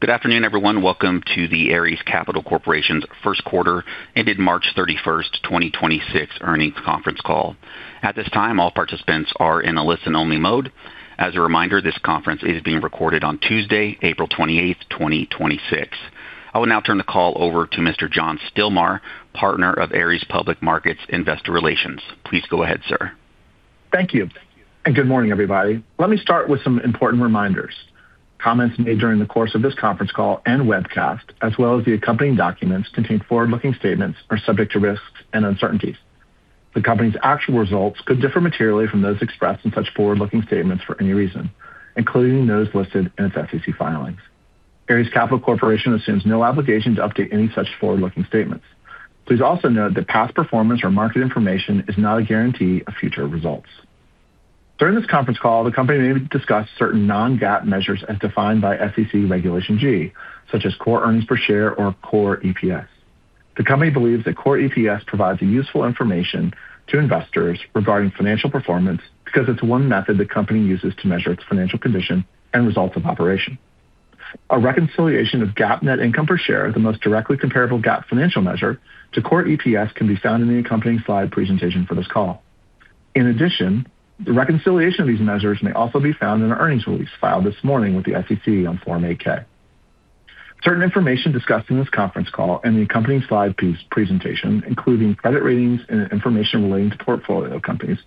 Good afternoon, everyone. Welcome to the Ares Capital Corporation's Q1 ended March 31, 2026 earnings conference call. At this time, all participants are in a listen-only mode. As a reminder, this conference is being recorded on Tuesday, April 28, 2026. I will now turn the call over to Mr. John Stilmar, Partner of Ares Public Markets Investor Relations. Please go ahead, sir. Thank you, good morning, everybody. Let me start with some important reminders. Comments made during the course of this conference call and webcast, as well as the accompanying documents contain forward-looking statements are subject to risks and uncertainties. The company's actual results could differ materially from those expressed in such forward-looking statements for any reason, including those listed in its SEC filings. Ares Capital Corporation assumes no obligation to update any such forward-looking statements. Please also note that past performance or market information is not a guarantee of future results. During this conference call, the company may discuss certain non-GAAP measures as defined by SEC Regulation G, such as Core earnings per share or Core EPS. The company believes that Core EPS provides a useful information to investors regarding financial performance because it's one method the company uses to measure its financial condition and results of operation. A reconciliation of GAAP net income per share, the most directly comparable GAAP financial measure to Core EPS, can be found in the accompanying slide presentation for this call. In addition, the reconciliation of these measures may also be found in the earnings release filed this morning with the SEC on Form 8-K. Certain information discussed in this conference call and the accompanying slide presentation, including credit ratings and information relating to portfolio companies,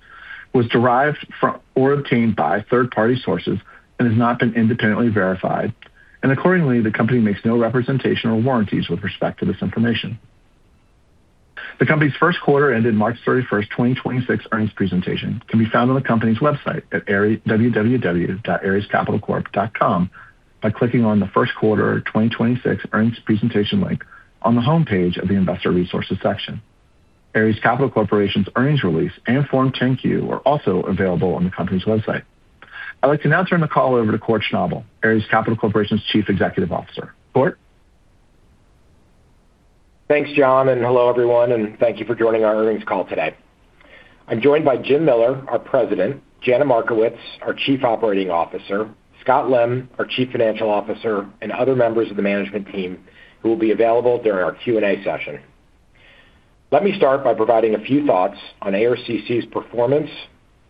was derived from or obtained by third-party sources and has not been independently verified, and accordingly, the company makes no representation or warranties with respect to this information. The company's Q1 ended March 31st, 2026 earnings presentation can be found on the company's website at Ares, www.arescapitalcorp.com by clicking on the Q1 2026 earnings presentation link on the homepage of the Investor Resources section. Ares Capital Corporation's earnings release and Form 10-Q are also available on the company's website. I'd like to now turn the call over to Kort Schnabel, Ares Capital Corporation's Chief Executive Officer. Kort? Thanks, John. Hello, everyone, and thank you for joining our earnings call today. I'm joined by Jim Miller, our President, Jana Markowitz, our Chief Operating Officer, Scott Lem, our Chief Financial Officer, and other members of the management team who will be available during our Q&A session. Let me start by providing a few thoughts on ARCC's performance,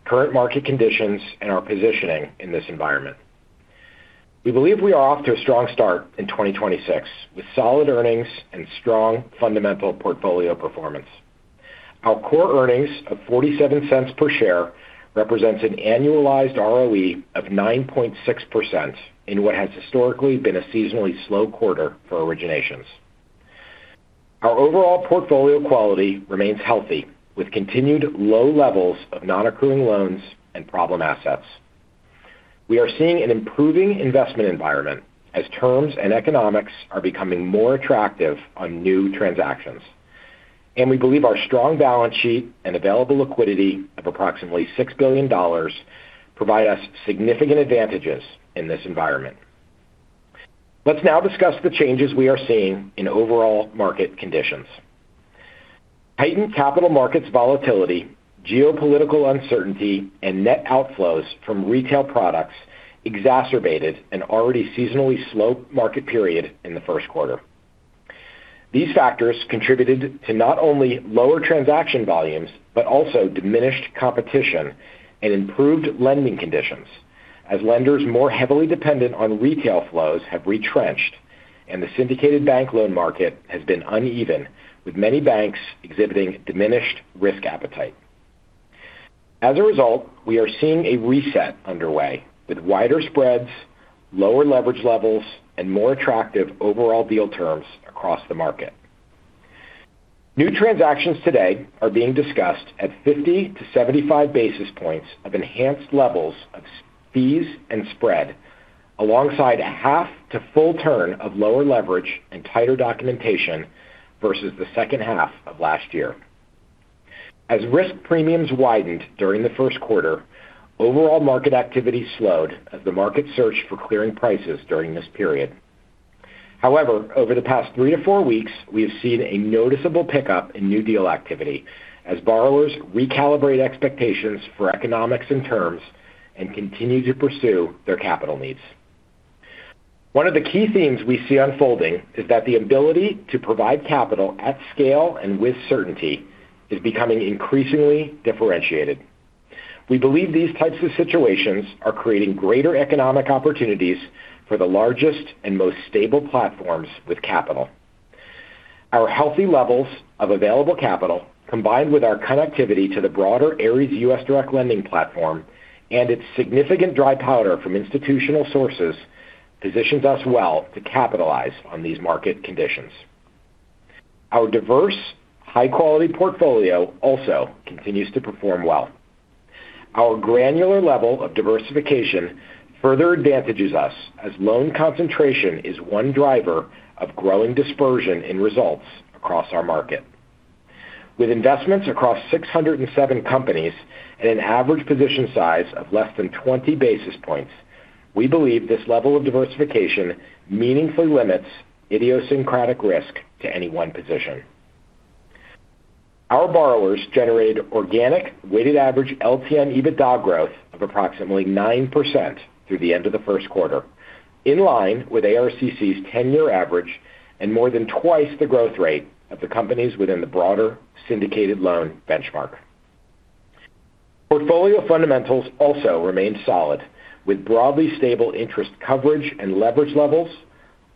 current market conditions, and our positioning in this environment. We believe we are off to a strong start in 2026 with solid earnings and strong fundamental portfolio performance. Our Core earnings of $0.47 per share represents an annualized ROE of 9.6% in what has historically been a seasonally slow quarter for originations. Our overall portfolio quality remains healthy with continued low levels of non-accruing loans and problem assets. We are seeing an improving investment environment as terms and economics are becoming more attractive on new transactions, and we believe our strong balance sheet and available liquidity of approximately $6 billion provide us significant advantages in this environment. Let's now discuss the changes we are seeing in overall market conditions. Heightened capital markets volatility, geopolitical uncertainty, and net outflows from retail products exacerbated an already seasonally slow market period in the Q1. These factors contributed to not only lower transaction volumes, but also diminished competition and improved lending conditions as lenders more heavily dependent on retail flows have retrenched and the syndicated bank loan market has been uneven with many banks exhibiting diminished risk appetite. As a result, we are seeing a reset underway with wider spreads, lower leverage levels, and more attractive overall deal terms across the market. New transactions today are being discussed at 50-75 basis points of enhanced levels of fees and spread alongside a half to full turn of lower leverage and tighter documentation versus the 2nd half of last year. As risk premiums widened during the 1st quarter, overall market activity slowed as the market searched for clearing prices during this period. However, over the past three-four weeks, we have seen a noticeable pickup in new deal activity as borrowers recalibrate expectations for economics and terms and continue to pursue their capital needs. One of the key themes we see unfolding is that the ability to provide capital at scale and with certainty is becoming increasingly differentiated. We believe these types of situations are creating greater economic opportunities for the largest and most stable platforms with capital. Our healthy levels of available capital, combined with our connectivity to the broader Ares U.S. direct lending platform and its significant dry powder from institutional sources, positions us well to capitalize on these market conditions. Our diverse, high-quality portfolio also continues to perform well. Our granular level of diversification further advantages us as loan concentration is one driver of growing dispersion in results across our market. With investments across 607 companies and an average position size of less than 20 basis points, we believe this level of diversification meaningfully limits idiosyncratic risk to any one position. Our borrowers generated organic weighted average LTM EBITDA growth of approximately 9% through the end of the Q1, in line with ARCC's 10-year average and more than twice the growth rate of the companies within the broader syndicated loan benchmark. Portfolio fundamentals also remain solid with broadly stable interest coverage and leverage levels,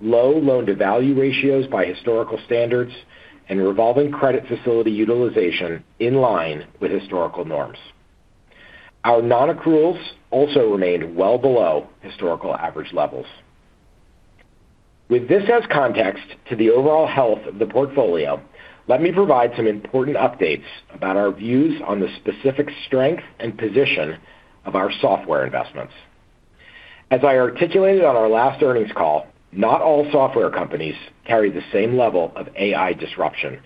low loan-to-value ratios by historical standards, and revolving credit facility utilization in line with historical norms. Our non-accruals also remain well below historical average levels. With this as context to the overall health of the portfolio, let me provide some important updates about our views on the specific strength and position of our software investments. As I articulated on our last earnings call, not all software companies carry the same level of AI disruption.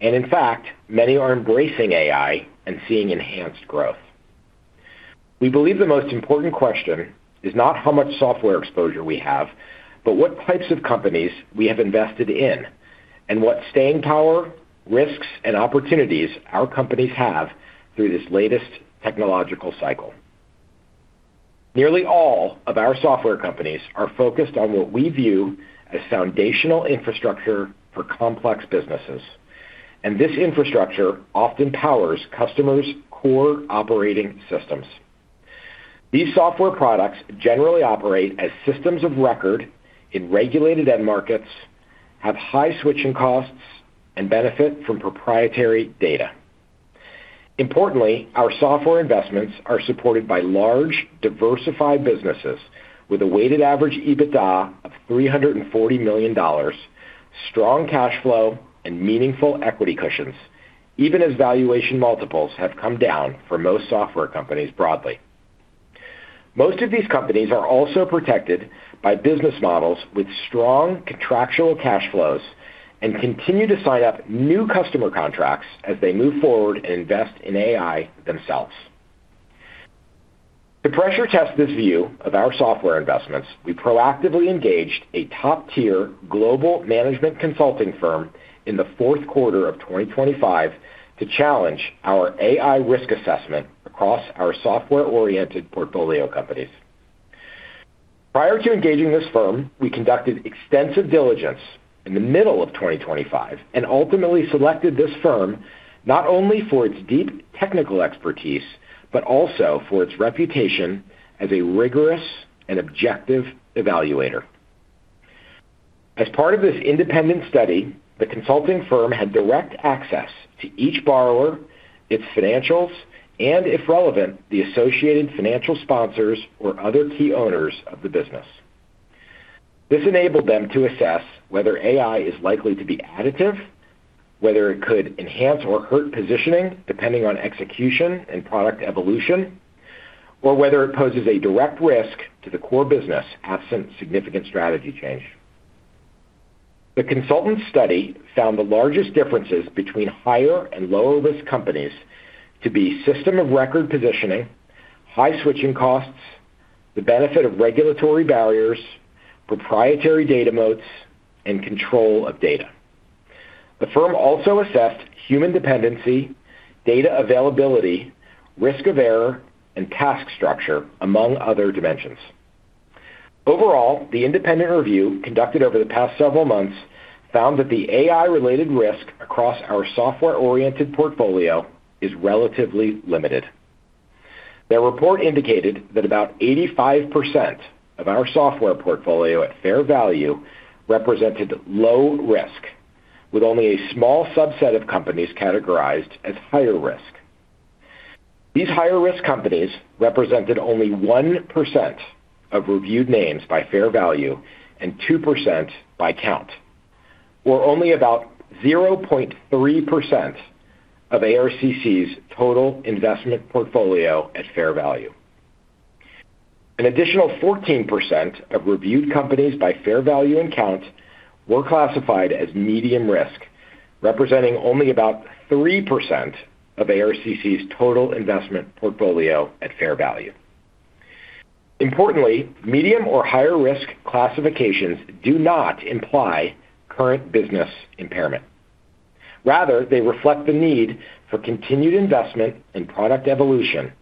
In fact, many are embracing AI and seeing enhanced growth. We believe the most important question is not how much software exposure we have, but what types of companies we have invested in and what staying power, risks, and opportunities our companies have through this latest technological cycle. Nearly all of our software companies are focused on what we view as foundational infrastructure for complex businesses, and this infrastructure often powers customers' core operating systems. These software products generally operate as systems of record in regulated end markets, have high switching costs, and benefit from proprietary data. Importantly, our software investments are supported by large, diversified businesses with a weighted average EBITDA of $340 million, strong cash flow, and meaningful equity cushions, even as valuation multiples have come down for most software companies broadly. Most of these companies are also protected by business models with strong contractual cash flows and continue to sign up new customer contracts as they move forward and invest in AI themselves. To pressure test this view of our software investments, we proactively engaged a top-tier global management consulting firm in the Q4 of 2025 to challenge our AI risk assessment across our software-oriented portfolio companies. Prior to engaging this firm, we conducted extensive diligence in the middle of 2025 and ultimately selected this firm not only for its deep technical expertise, but also for its reputation as a rigorous and objective evaluator. As part of this independent study, the consulting firm had direct access to each borrower, its financials, and if relevant, the associated financial sponsors or other key owners of the business. This enabled them to assess whether AI is likely to be additive, whether it could enhance or hurt positioning depending on execution and product evolution, or whether it poses a direct risk to the core business absent significant strategy change. The consultant's study found the largest differences between higher and lower risk companies to be system of record positioning, high switching costs, the benefit of regulatory barriers, proprietary data moats, and control of data. The firm also assessed human dependency, data availability, risk of error, and task structure, among other dimensions. Overall, the independent review conducted over the past several months found that the AI-related risk across our software-oriented portfolio is relatively limited. Their report indicated that about 85% of our software portfolio at fair value represented low risk, with only a small subset of companies categorized as higher risk. These higher risk companies represented only 1% of reviewed names by fair value and 2% by count, or only about 0.3% of ARCC's total investment portfolio at fair value. An additional 14% of reviewed companies by fair value and count were classified as medium risk, representing only about 3% of ARCC's total investment portfolio at fair value. Importantly, medium or higher risk classifications do not imply current business impairment. Rather, they reflect the need for continued investment and product evolution,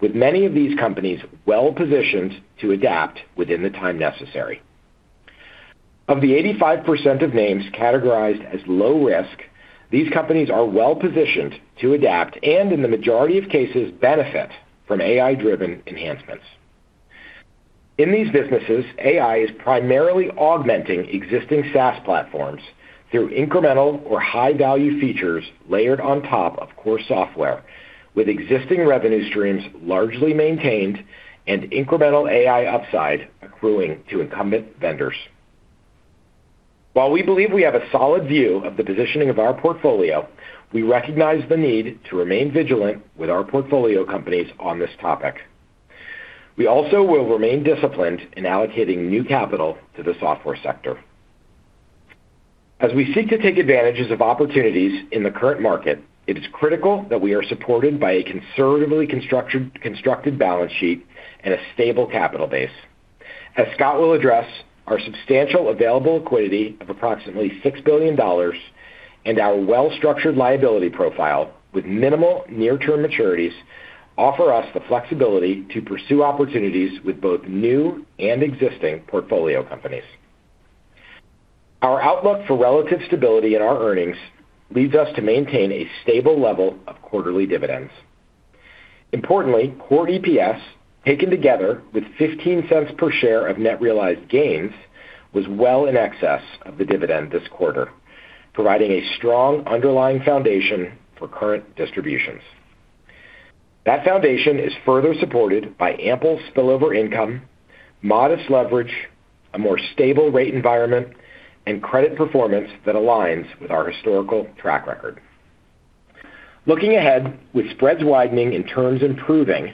with many of these companies well-positioned to adapt within the time necessary. Of the 85% of names categorized as low risk, these companies are well-positioned to adapt and, in the majority of cases, benefit from AI-driven enhancements. In these businesses, AI is primarily augmenting existing SaaS platforms through incremental or high-value features layered on top of core software, with existing revenue streams largely maintained and incremental AI upside accruing to incumbent vendors. While we believe we have a solid view of the positioning of our portfolio, we recognize the need to remain vigilant with our portfolio companies on this topic. We also will remain disciplined in allocating new capital to the software sector. As we seek to take advantage of opportunities in the current market, it is critical that we are supported by a conservatively constructed balance sheet and a stable capital base. As Scott will address, our substantial available liquidity of approximately $6 billion and our well-structured liability profile with minimal near-term maturities offer us the flexibility to pursue opportunities with both new and existing portfolio companies. Our outlook for relative stability in our earnings leads us to maintain a stable level of quarterly dividends. Importantly, Core EPS, taken together with $0.15 per share of net realized gains, was well in excess of the dividend this quarter, providing a strong underlying foundation for current distributions. That foundation is further supported by ample spillover income, modest leverage, a more stable rate environment, and credit performance that aligns with our historical track record. Looking ahead, with spreads widening and terms improving,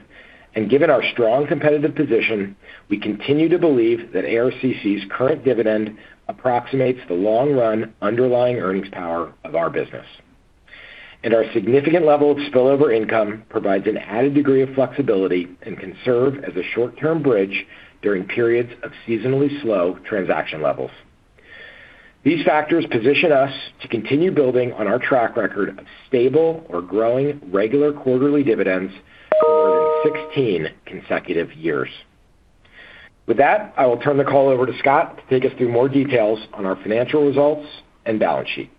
and given our strong competitive position, we continue to believe that ARCC's current dividend approximates the long run underlying earnings power of our business. Our significant level of spillover income provides an added degree of flexibility and can serve as a short-term bridge during periods of seasonally slow transaction levels. These factors position us to continue building on our track record of stable or growing regular quarterly dividends for more than 16 consecutive years. With that, I will turn the call over to Scott to take us through more details on our financial results and balance sheet.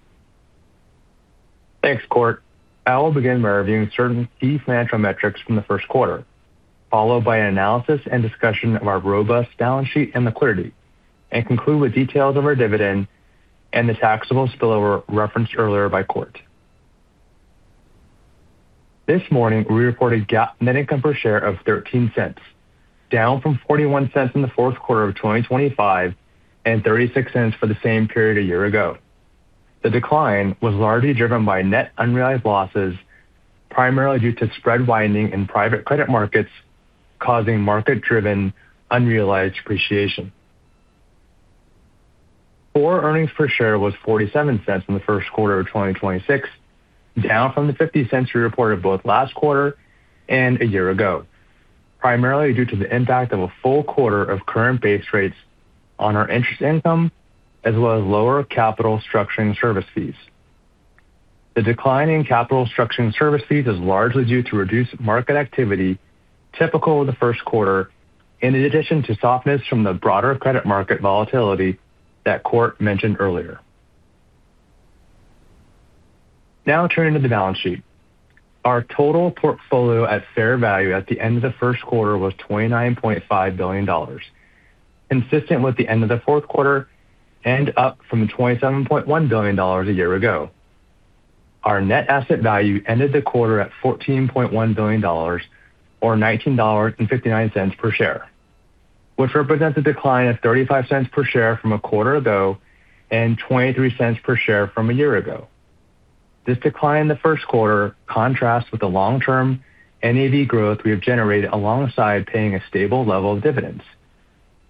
Thanks, Kort. I will begin by reviewing certain key financial metrics from the Q1, followed by an analysis and discussion of our robust balance sheet and liquidity, and conclude with details of our dividend and the taxable spillover referenced earlier by Kort. This morning, we reported GAAP net income per share of $0.13, down from $0.41 in the Q4 of 2025 and $0.36 for the same period a year ago. The decline was largely driven by net unrealized losses, primarily due to spread widening in private credit markets, causing market-driven unrealized depreciation. Core earnings per share was $0.47 in the Q1 of 2026, down from the $0.50 we reported both last quarter and a year ago, primarily due to the impact of a full quarter of current base rates on our interest income as well as lower capital structuring service fees. The decline in capital structuring service fees is largely due to reduced market activity typical of the Q1, in addition to softness from the broader credit market volatility that Kort mentioned earlier. Turning to the balance sheet. Our total portfolio at fair value at the end of the Q1 was $29.5 billion, consistent with the end of the Q4 and up from $27.1 billion a year ago. Our NAV ended the quarter at $14.1 billion or $19.59 per share, which represents a decline of $0.35 per share from a quarter ago and $0.23 per share from a year ago. This decline in the Q1 contrasts with the long-term NAV growth we have generated alongside paying a stable level of dividends.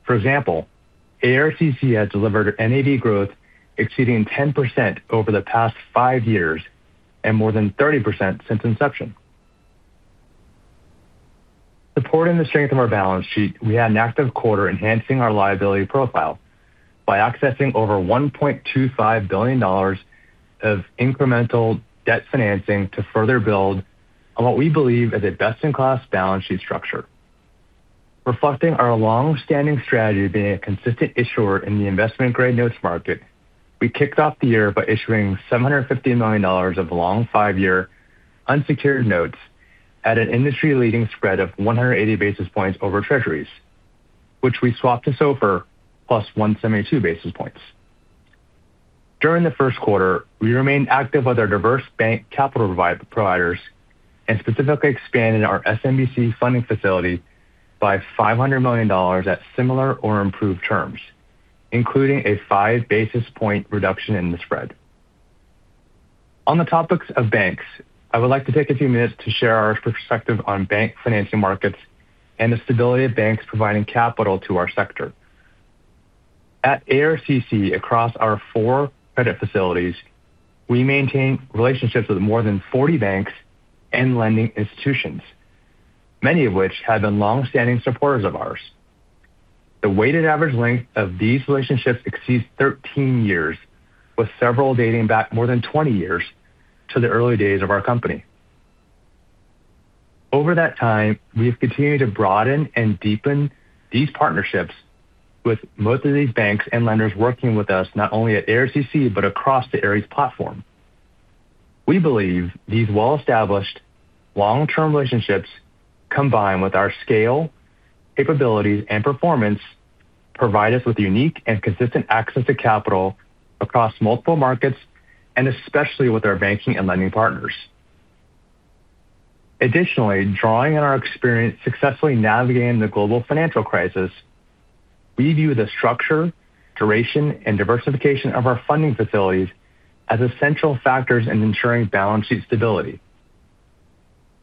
For example, ARCC has delivered NAV growth exceeding 10% over the past five years and more than 30% since inception. Supporting the strength of our balance sheet, we had an active quarter enhancing our liability profile by accessing over $1.25 billion of incremental debt financing to further build on what we believe is a best-in-class balance sheet structure. Reflecting our long-standing strategy of being a consistent issuer in the investment grade notes market, we kicked off the year by issuing $750 million of long five-year unsecured notes at an industry-leading spread of 180 basis points over Treasuries, which we swapped to SOFR plus 172 basis points. During the Q1, we remained active with our diverse bank capital providers and specifically expanded our SMBC funding facility by $500 million at similar or improved terms, including a 5 basis point reduction in the spread. On the topics of banks, I would like to take a few minutes to share our perspective on bank financing markets and the stability of banks providing capital to our sector. At ARCC, across our four credit facilities, we maintain relationships with more than 40 banks and lending institutions, many of which have been longstanding supporters of ours. The weighted average length of these relationships exceeds 13 years, with several dating back more than 20 years to the early days of our company. Over that time, we have continued to broaden and deepen these partnerships with most of these banks and lenders working with us not only at ARCC, but across the Ares platform. We believe these well-established long-term relationships, combined with our scale, capabilities, and performance, provide us with unique and consistent access to capital across multiple markets, and especially with our banking and lending partners. Additionally, drawing on our experience successfully navigating the global financial crisis, we view the structure, duration, and diversification of our funding facilities as essential factors in ensuring balance sheet stability.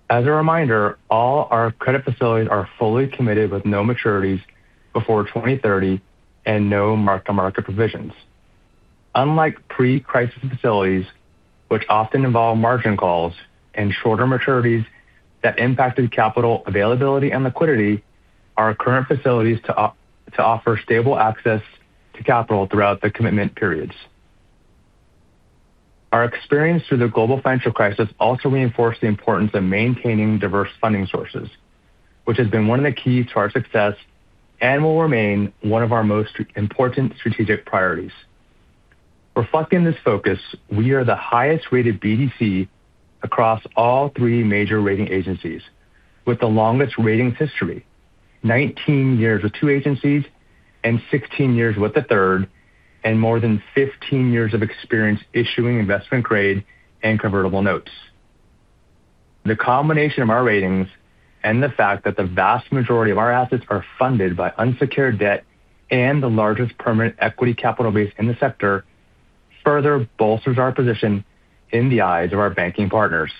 As a reminder, all our credit facilities are fully committed with no maturities before 2030 and no mark-to-market provisions. Unlike pre-crisis facilities, which often involve margin calls and shorter maturities that impacted capital availability and liquidity, our current facilities offer stable access to capital throughout the commitment periods. Our experience through the Global Financial Crisis also reinforced the importance of maintaining diverse funding sources, which has been one of the keys to our success and will remain one of our most important strategic priorities. Reflecting this focus, we are the highest-rated BDC across all three major rating agencies, with the longest ratings history, 19 years with two agencies and 16 years with the third, and more than 15 years of experience issuing investment grade and convertible notes. The combination of our ratings and the fact that the vast majority of our assets are funded by unsecured debt and the largest permanent equity capital base in the sector further bolsters our position in the eyes of our banking partners.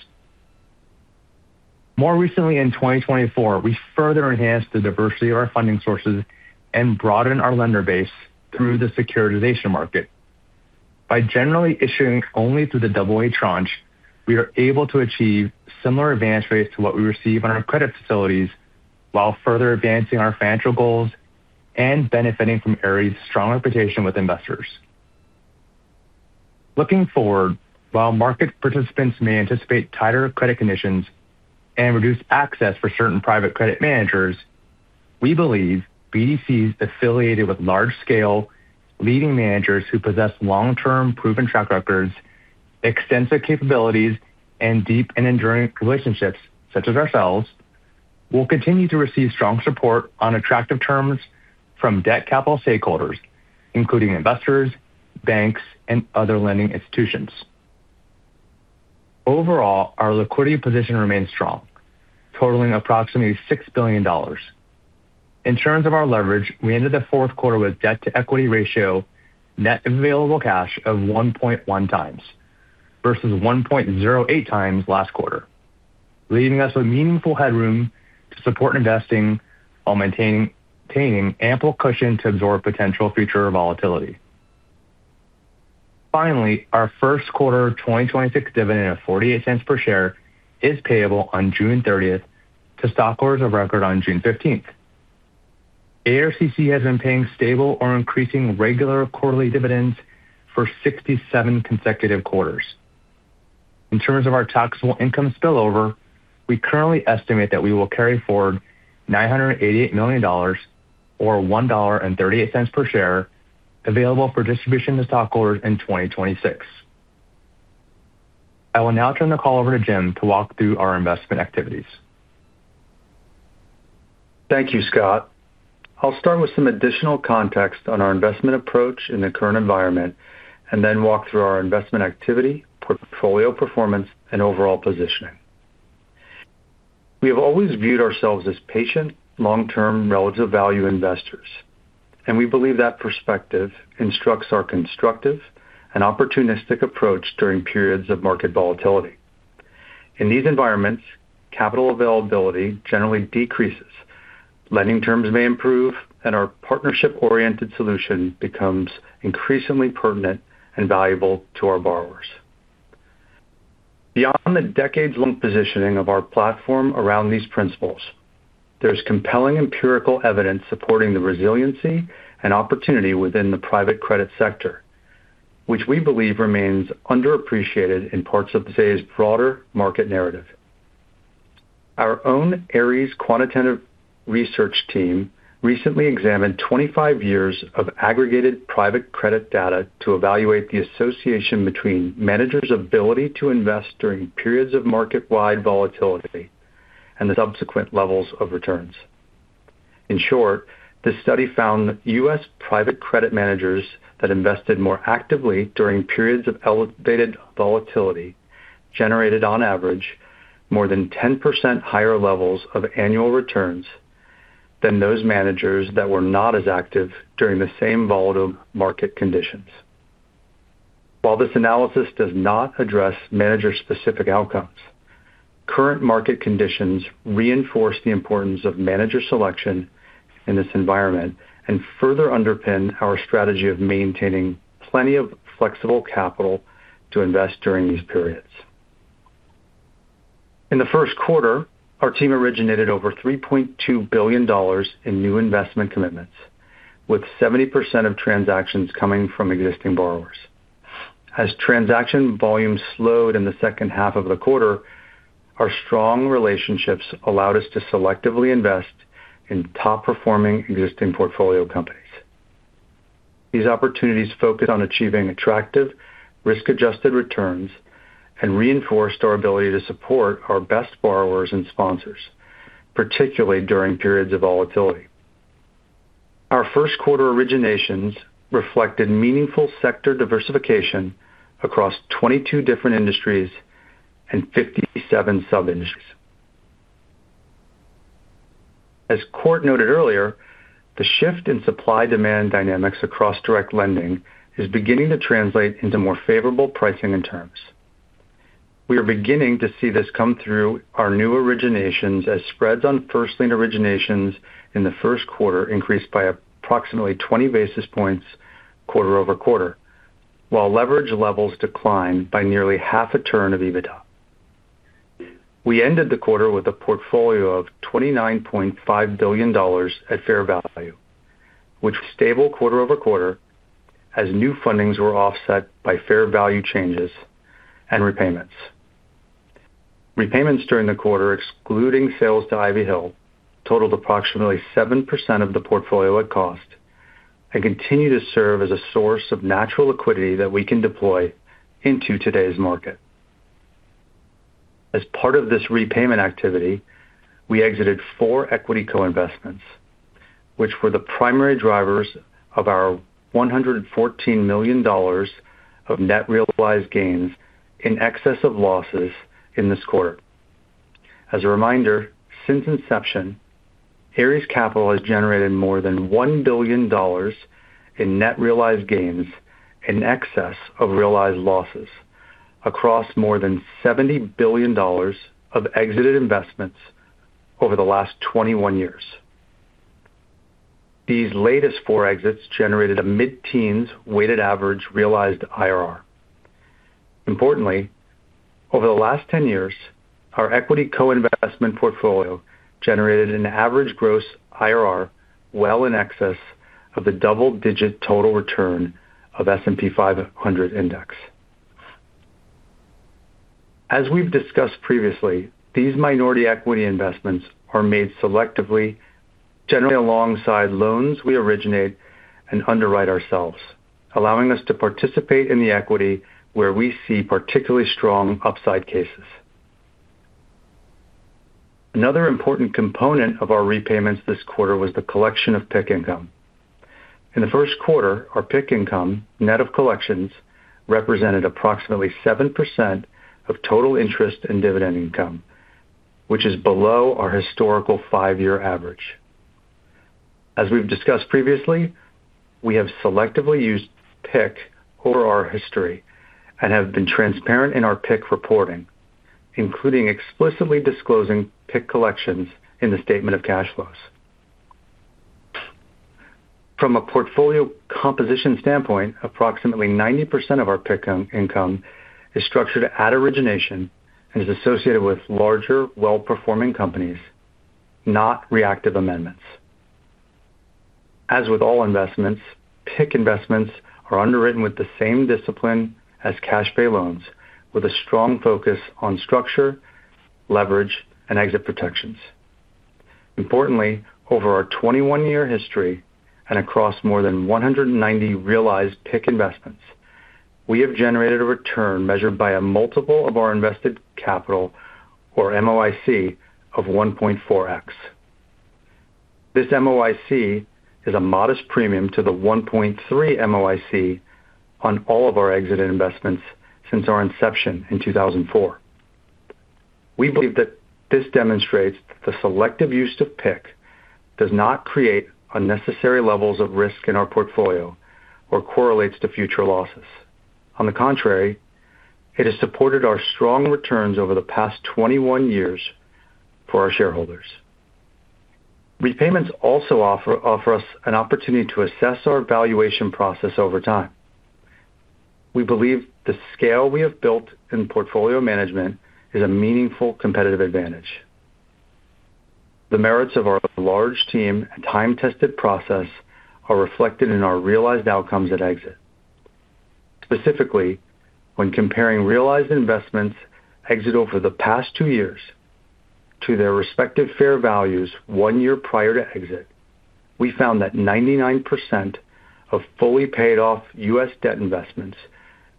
More recently, in 2024, we further enhanced the diversity of our funding sources and broadened our lender base through the securitization market. By generally issuing only through the double-A tranche, we are able to achieve similar advantage rates to what we receive on our credit facilities while further advancing our financial goals and benefiting from Ares' strong reputation with investors. Looking forward, while market participants may anticipate tighter credit conditions and reduce access for certain private credit managers, we believe BDCs affiliated with large-scale leading managers who possess long-term proven track records, extensive capabilities, and deep and enduring relationships, such as ourselves, will continue to receive strong support on attractive terms from debt capital stakeholders, including investors, banks, and other lending institutions. Our liquidity position remains strong, totaling approximately $6 billion. In terms of our leverage, we ended the Q4 with debt-to-equity ratio net available cash of 1.1 times versus 1.08 times last quarter, leaving us with meaningful headroom to support investing while maintaining ample cushion to absorb potential future volatility. Our Q1 2026 dividend of $0.48 per share is payable on June 30th to stockholders of record on June 15th. ARCC has been paying stable or increasing regular quarterly dividends for 67 consecutive quarters. In terms of our taxable income spillover, we currently estimate that we will carry forward $988 million or $1.38 per share available for distribution to stockholders in 2026. I will now turn the call over to Jim to walk through our investment activities. Thank you, Scott. I'll start with some additional context on our investment approach in the current environment and then walk through our investment activity, portfolio performance, and overall positioning. We have always viewed ourselves as patient, long-term relative value investors, and we believe that perspective instructs our constructive and opportunistic approach during periods of market volatility. In these environments, capital availability generally decreases. Lending terms may improve, and our partnership-oriented solution becomes increasingly pertinent and valuable to our borrowers. Beyond the decades-long positioning of our platform around these principles, there's compelling empirical evidence supporting the resiliency and opportunity within the private credit sector, which we believe remains underappreciated in parts of today's broader market narrative. Our own Ares quantitative research team recently examined 25 years of aggregated private credit data to evaluate the association between managers' ability to invest during periods of market-wide volatility and the subsequent levels of returns. In short, this study found that U.S. private credit managers that invested more actively during periods of elevated volatility generated, on average, more than 10% higher levels of annual returns than those managers that were not as active during the same volatile market conditions. While this analysis does not address manager-specific outcomes, current market conditions reinforce the importance of manager selection in this environment and further underpin our strategy of maintaining plenty of flexible capital to invest during these periods. In the Q1, our team originated over $3.2 billion in new investment commitments, with 70% of transactions coming from existing borrowers. As transaction volume slowed in the H2 of the quarter, our strong relationships allowed us to selectively invest in top-performing existing portfolio companies. These opportunities focused on achieving attractive risk-adjusted returns and reinforced our ability to support our best borrowers and sponsors, particularly during periods of volatility. Our Q1 originations reflected meaningful sector diversification across 22 different industries and 57 sub-industries. As Kort noted earlier, the shift in supply-demand dynamics across direct lending is beginning to translate into more favorable pricing and terms. We are beginning to see this come through our new originations as spreads on first lien originations in the Q1 increased by approximately 20 basis points quarter-over-quarter, while leverage levels declined by nearly half a turn of EBITDA. We ended the quarter with a portfolio of $29.5 billion at fair value, which stable quarter-over-quarter as new fundings were offset by fair value changes and repayments. Repayments during the quarter, excluding sales to Ivy Hill, totaled approximately 7% of the portfolio at cost and continue to serve as a source of natural liquidity that we can deploy into today's market. As part of this repayment activity, we exited 4 equity co-investments, which were the primary drivers of our $114 million of net realized gains in excess of losses in this quarter. As a reminder, since inception, Ares Capital has generated more than $1 billion in net realized gains in excess of realized losses across more than $70 billion of exited investments over the last 21 years. These latest 4 exits generated a mid-teens weighted average realized IRR. Importantly, over the last 10 years, our equity co-investment portfolio generated an average gross IRR well in excess of the double-digit total return of S&P 500 index. As we've discussed previously, these minority equity investments are made selectively, generally alongside loans we originate and underwrite ourselves, allowing us to participate in the equity where we see particularly strong upside cases. Another important component of our repayments this quarter was the collection of PIK income. In the Q1, our PIK income, net of collections, represented approximately 7% of total interest and dividend income, which is below our historical five-year average. As we've discussed previously, we have selectively used PIK over our history and have been transparent in our PIK reporting, including explicitly disclosing PIK collections in the statement of cash flows. From a portfolio composition standpoint, approximately 90% of our PIK income is structured at origination and is associated with larger, well-performing companies, not reactive amendments. As with all investments, PIK investments are underwritten with the same discipline as cash pay loans, with a strong focus on structure, leverage, and exit protections. Importantly, over our 21-year history and across more than 190 realized PIK investments, we have generated a return measured by a multiple of our invested capital or MOIC of 1.4x. This MOIC is a modest premium to the 1.3 MOIC on all of our exited investments since our inception in 2004. We believe that this demonstrates that the selective use of PIK does not create unnecessary levels of risk in our portfolio or correlates to future losses. On the contrary, it has supported our strong returns over the past 21 years for our shareholders. Repayments also offer us an opportunity to assess our valuation process over time. We believe the scale we have built in portfolio management is a meaningful competitive advantage. The merits of our large team and time-tested process are reflected in our realized outcomes at exit. Specifically, when comparing realized investments exit over the past two years to their respective fair values one year prior to exit, we found that 99% of fully paid off U.S. debt investments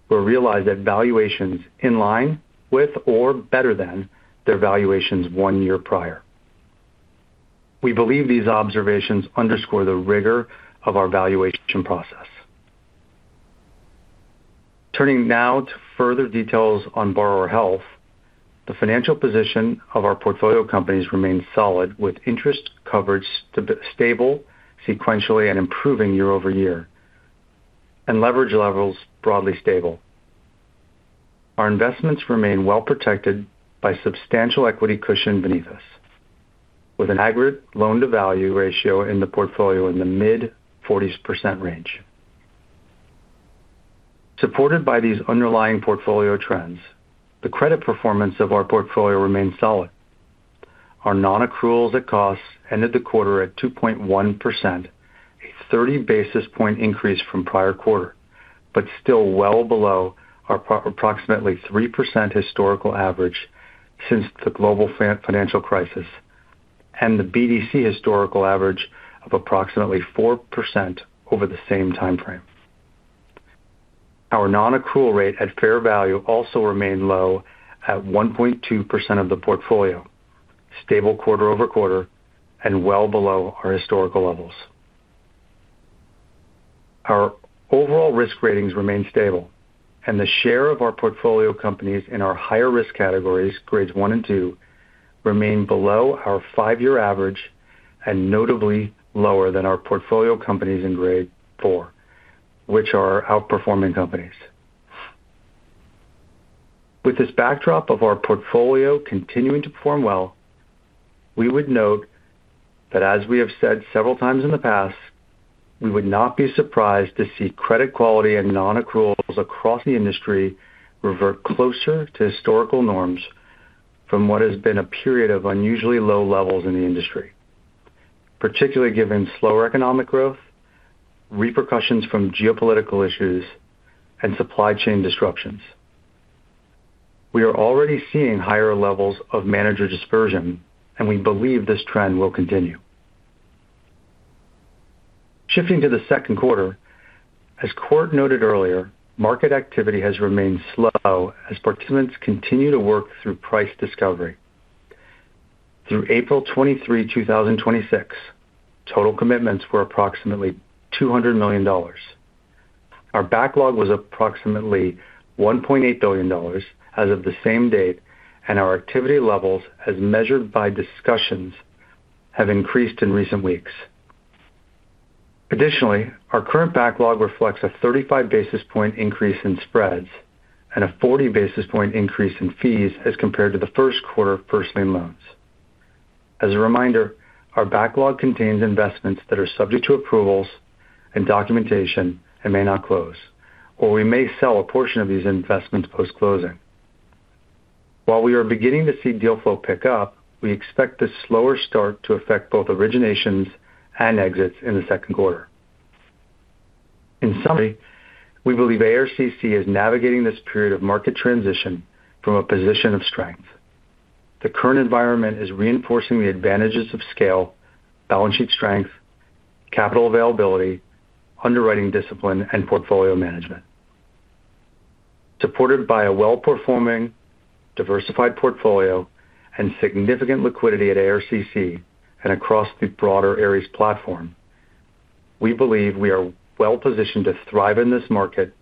were realized at valuations in line with or better than their valuations one year prior. We believe these observations underscore the rigor of our valuation process. Turning now to further details on borrower health, the financial position of our portfolio companies remains solid, with interest coverage stable sequentially and improving year-over-year, and leverage levels broadly stable. Our investments remain well protected by substantial equity cushion beneath us, with an aggregate loan-to-value ratio in the portfolio in the mid-40% range. Supported by these underlying portfolio trends, the credit performance of our portfolio remains solid. Our non-accruals at cost ended the quarter at 2.1%, a 30 basis point increase from prior quarter. Still well below our approximately 3% historical average since the global financial crisis and the BDC historical average of approximately 4% over the same time frame. Our non-accrual rate at fair value also remained low at 1.2% of the portfolio, stable quarter-over-quarter and well below our historical levels. Our overall risk ratings remain stable and the share of our portfolio companies in our higher risk categories, grades one and two, remain below our five-year average and notably lower than our portfolio companies in grade four. Which are outperforming companies. With this backdrop of our portfolio continuing to perform well, we would note that as we have said several times in the past, we would not be surprised to see credit quality and non-accruals across the industry revert closer to historical norms from what has been a period of unusually low levels in the industry, particularly given slower economic growth, repercussions from geopolitical issues, and supply chain disruptions. We are already seeing higher levels of manager dispersion, and we believe this trend will continue. Shifting to the Q2, as Kort noted earlier, market activity has remained slow as participants continue to work through price discovery. Through April 23, 2026, total commitments were approximately $200 million. Our backlog was approximately $1.8 billion as of the same date, and our activity levels as measured by discussions have increased in recent weeks. Additionally, our current backlog reflects a 35 basis point increase in spreads and a 40 basis point increase in fees as compared to the Q1 of personally loans. As a reminder, our backlog contains investments that are subject to approvals and documentation and may not close, or we may sell a portion of these investments post-closing. While we are beginning to see deal flow pick up, we expect this slower start to affect both originations and exits in the Q2. In summary, we believe ARCC is navigating this period of market transition from a position of strength. The current environment is reinforcing the advantages of scale, balance sheet strength, capital availability, underwriting discipline, and portfolio management. Supported by a well-performing, diversified portfolio and significant liquidity at ARCC and across the broader Ares platform, we believe we are well positioned to thrive in this market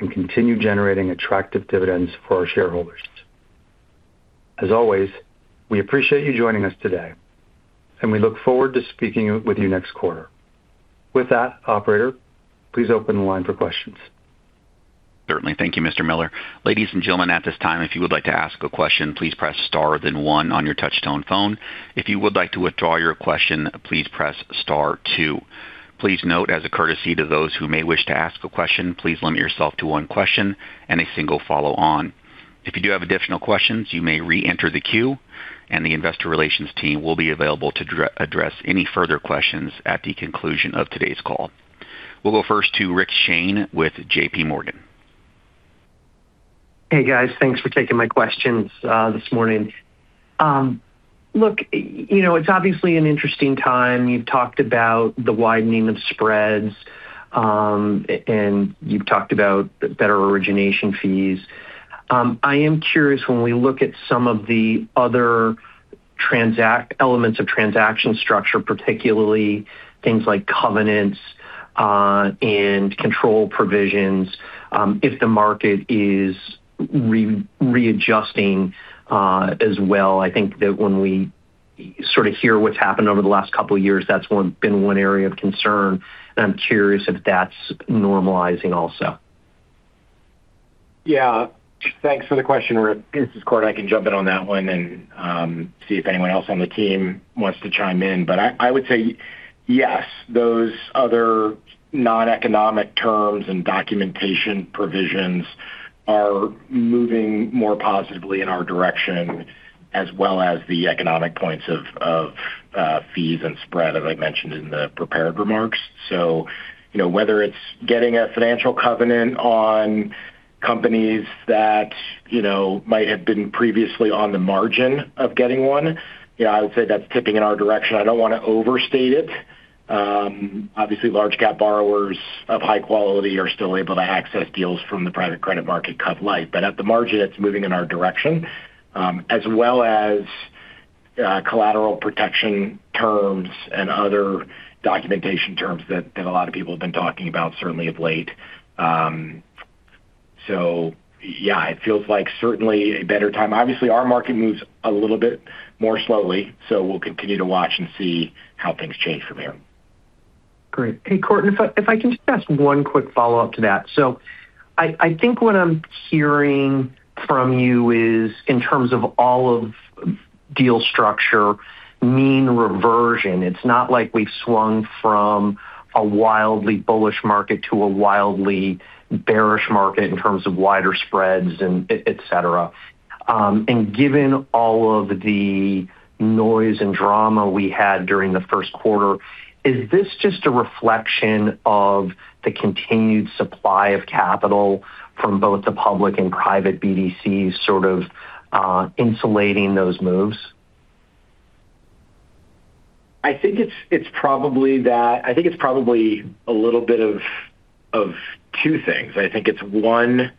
and continue generating attractive dividends for our shareholders. As always, we appreciate you joining us today, and we look forward to speaking with you next quarter. With that, operator, please open the line for questions. Certainly. Thank you, Mr. Miller. Ladies and gentlemen, at this time, if you would like to ask a question, please press star then one on your touch tone phone. If you would like to withdraw your question, please press star two. Please note, as a courtesy to those who may wish to ask a question, please limit yourself to one question and a single follow on. If you do have additional questions, you may re-enter the queue, and the investor relations team will be available to address any further questions at the conclusion of today's call. We'll go first to Rick Shane with J.P. Morgan. Hey, guys. Thanks for taking my questions this morning. Look, you know, it's obviously an interesting time. You've talked about the widening of spreads, and you've talked about the better origination fees. I am curious when we look at some of the other elements of transaction structure, particularly things like covenants, and control provisions, if the market is readjusting as well. I think that when we sort of hear what's happened over the last couple of years, that's been one area of concern, and I'm curious if that's normalizing also. Yeah. Thanks for the question, Richard. This is Kort. I can jump in on that one and see if anyone else on the team wants to chime in. I would say yes, those other non-economic terms and documentation provisions are moving more positively in our direction as well as the economic points of fees and spread, as I mentioned in the prepared remarks. You know, whether it's getting a financial covenant on companies that, you know, might have been previously on the margin of getting one, yeah, I would say that's tipping in our direction. I don't want to overstate it. Obviously, large cap borrowers of high quality are still able to access deals from the private credit market cov-lite. At the margin, it's moving in our direction, as well as collateral protection terms and other documentation terms that a lot of people have been talking about certainly of late. Yeah, it feels like certainly a better time. Obviously, our market moves a little bit more slowly, so we'll continue to watch and see how things change from here. Great. Hey, Kort, if I can just ask one quick follow-up to that. I think what I'm hearing from you is in terms of all of deal structure, mean reversion. It's not like we've swung from a wildly bullish market to a wildly bearish market in terms of wider spreads and et cetera. Given all of the noise and drama we had during the Q1, is this just a reflection of the continued supply of capital from both the public and private BDCs sort of insulating those moves? I think it's probably a little bit of two things. I think it's, one,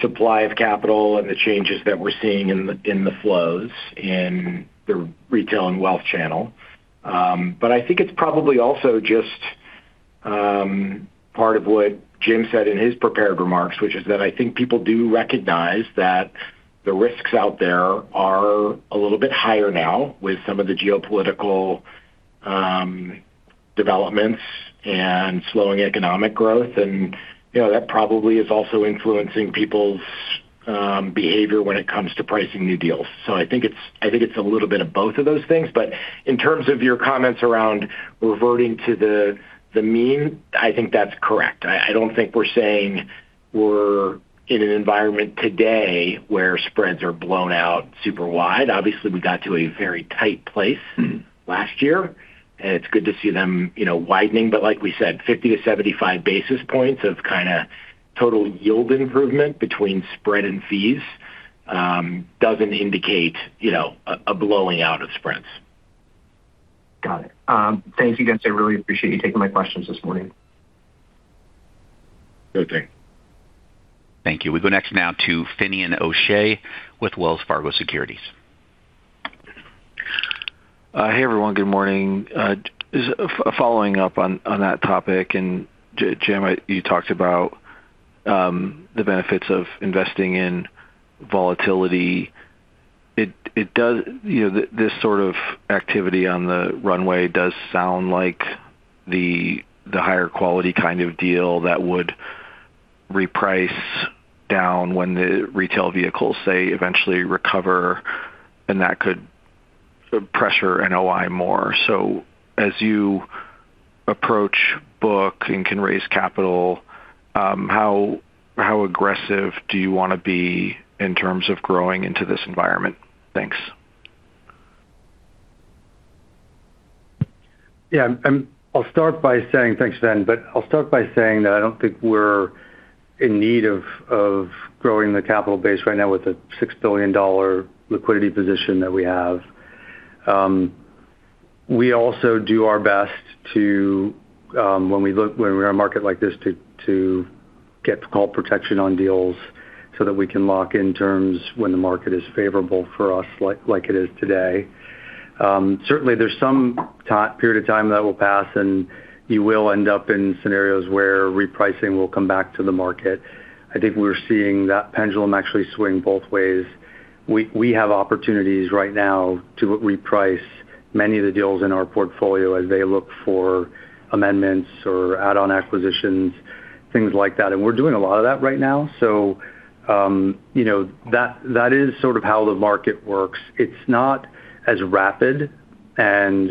supply of capital and the changes that we're seeing in the flows in the retail and wealth channel. I think it's probably also just part of what Jim said in his prepared remarks, which is that I think people do recognize that the risks out there are a little bit higher now with some of the geopolitical developments and slowing economic growth. You know, that probably is also influencing people's behavior when it comes to pricing new deals. I think it's a little bit of both of those things. In terms of your comments around reverting to the mean, I think that's correct. I don't think we're saying we're in an environment today where spreads are blown out super wide. Obviously, we got to a very tight place last year, and it's good to see them, you know, widening. Like we said, 50 to 75 basis points of kinda total yield improvement between spread and fees doesn't indicate, you know, a blowing out of spreads. Got it. Thank you, guys. I really appreciate you taking my questions this morning. Sure thing. Thank you. We go next now to Finian O'Shea with Wells Fargo Securities. Hey, everyone. Good morning. Just following up on that topic, and Jim, you talked about the benefits of investing in volatility. It does. You know, this sort of activity on the runway does sound like the higher quality kind of deal that would reprice down when the retail vehicles, say, eventually recover, and that could pressure NOI more. As you approach book and can raise capital, how aggressive do you wanna be in terms of growing into this environment? Thanks. Thanks, Fin. I'll start by saying that I don't think we're in need of growing the capital base right now with the $6 billion liquidity position that we have. We also do our best to, when we're in a market like this to get call protection on deals so that we can lock in terms when the market is favorable for us like it is today. Certainly there's some period of time that will pass, and you will end up in scenarios where repricing will come back to the market. I think we're seeing that pendulum actually swing both ways. We have opportunities right now to reprice many of the deals in our portfolio as they look for amendments or add-on acquisitions, things like that. We're doing a lot of that right now. You know, that is sort of how the market works. It's not as rapid and,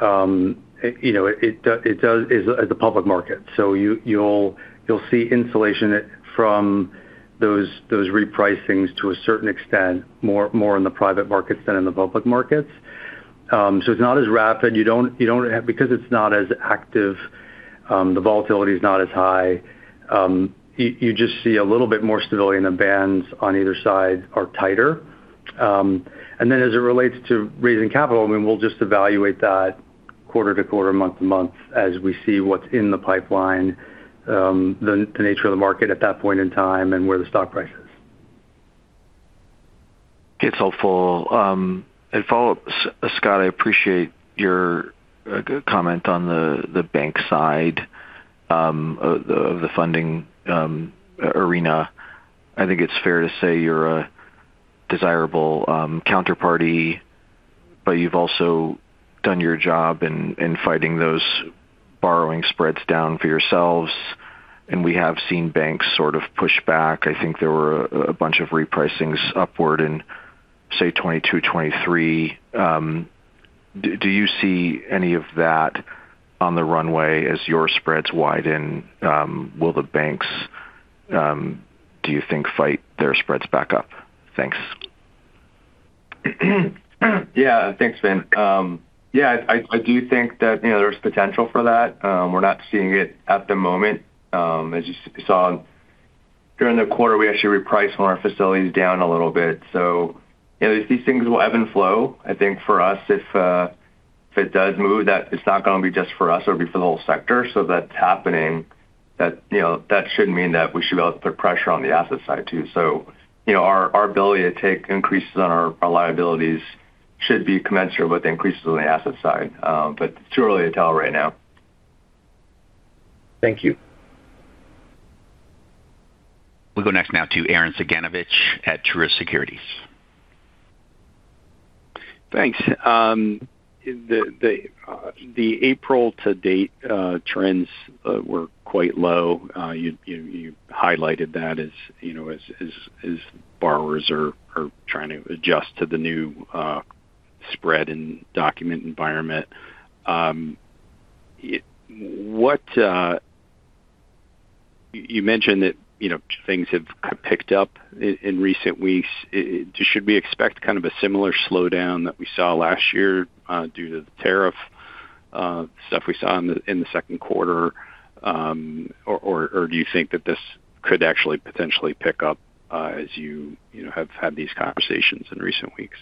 you know, it does as a public market. You'll see insulation from those repricings to a certain extent, more in the private markets than in the public markets. It's not as rapid. Because it's not as active, the volatility is not as high. You just see a little bit more stability, and the bands on either side are tighter. As it relates to raising capital, I mean, we'll just evaluate that quarter to quarter, month to month as we see what's in the pipeline, the nature of the market at that point in time and where the stock price is. It's helpful. Follow-up, Scott, I appreciate your comment on the bank side of the funding arena. I think it's fair to say you're a desirable counterparty, but you've also done your job in fighting those borrowing spreads down for yourselves. We have seen banks sort of push back. I think there were a bunch of repricings upward in, say, 2022, 2023. Do you see any of that on the runway as your spreads widen? Will the banks, do you think, fight their spreads back up? Thanks. Yeah. Thanks, Fin. I do think that, you know, there's potential for that. We're not seeing it at the moment. As you saw during the quarter, we actually repriced one of our facilities down a little bit. You know, these things will ebb and flow. I think for us, if it does move, that it's not gonna be just for us, it'll be for the whole sector. That's happening. That, you know, that should mean that we should be able to put pressure on the asset side too. You know, our ability to take increases on our liabilities should be commensurate with increases on the asset side. It's too early to tell right now. Thank you. We go next now to Arren S. Cyganovich at Truist Securities. Thanks. The April to date trends were quite low. You highlighted that as, you know, as borrowers are trying to adjust to the new spread and document environment. You mentioned that, you know, things have picked up in recent weeks. Should we expect kind of a similar slowdown that we saw last year due to the tariff stuff we saw in the Q2? Do you think that this could actually potentially pick up as you know, have had these conversations in recent weeks?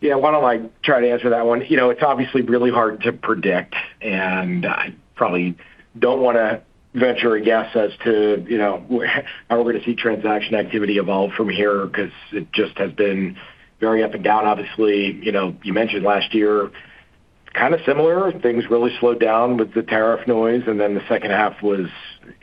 Yeah. Why don't I try to answer that one? You know, it's obviously really hard to predict, and I probably don't wanna venture a guess as to, you know, how we're gonna see transaction activity evolve from here because it just has been very up and down. Obviously, you know, you mentioned last year Kind of similar. Things really slowed down with the tariff noise. The H2 was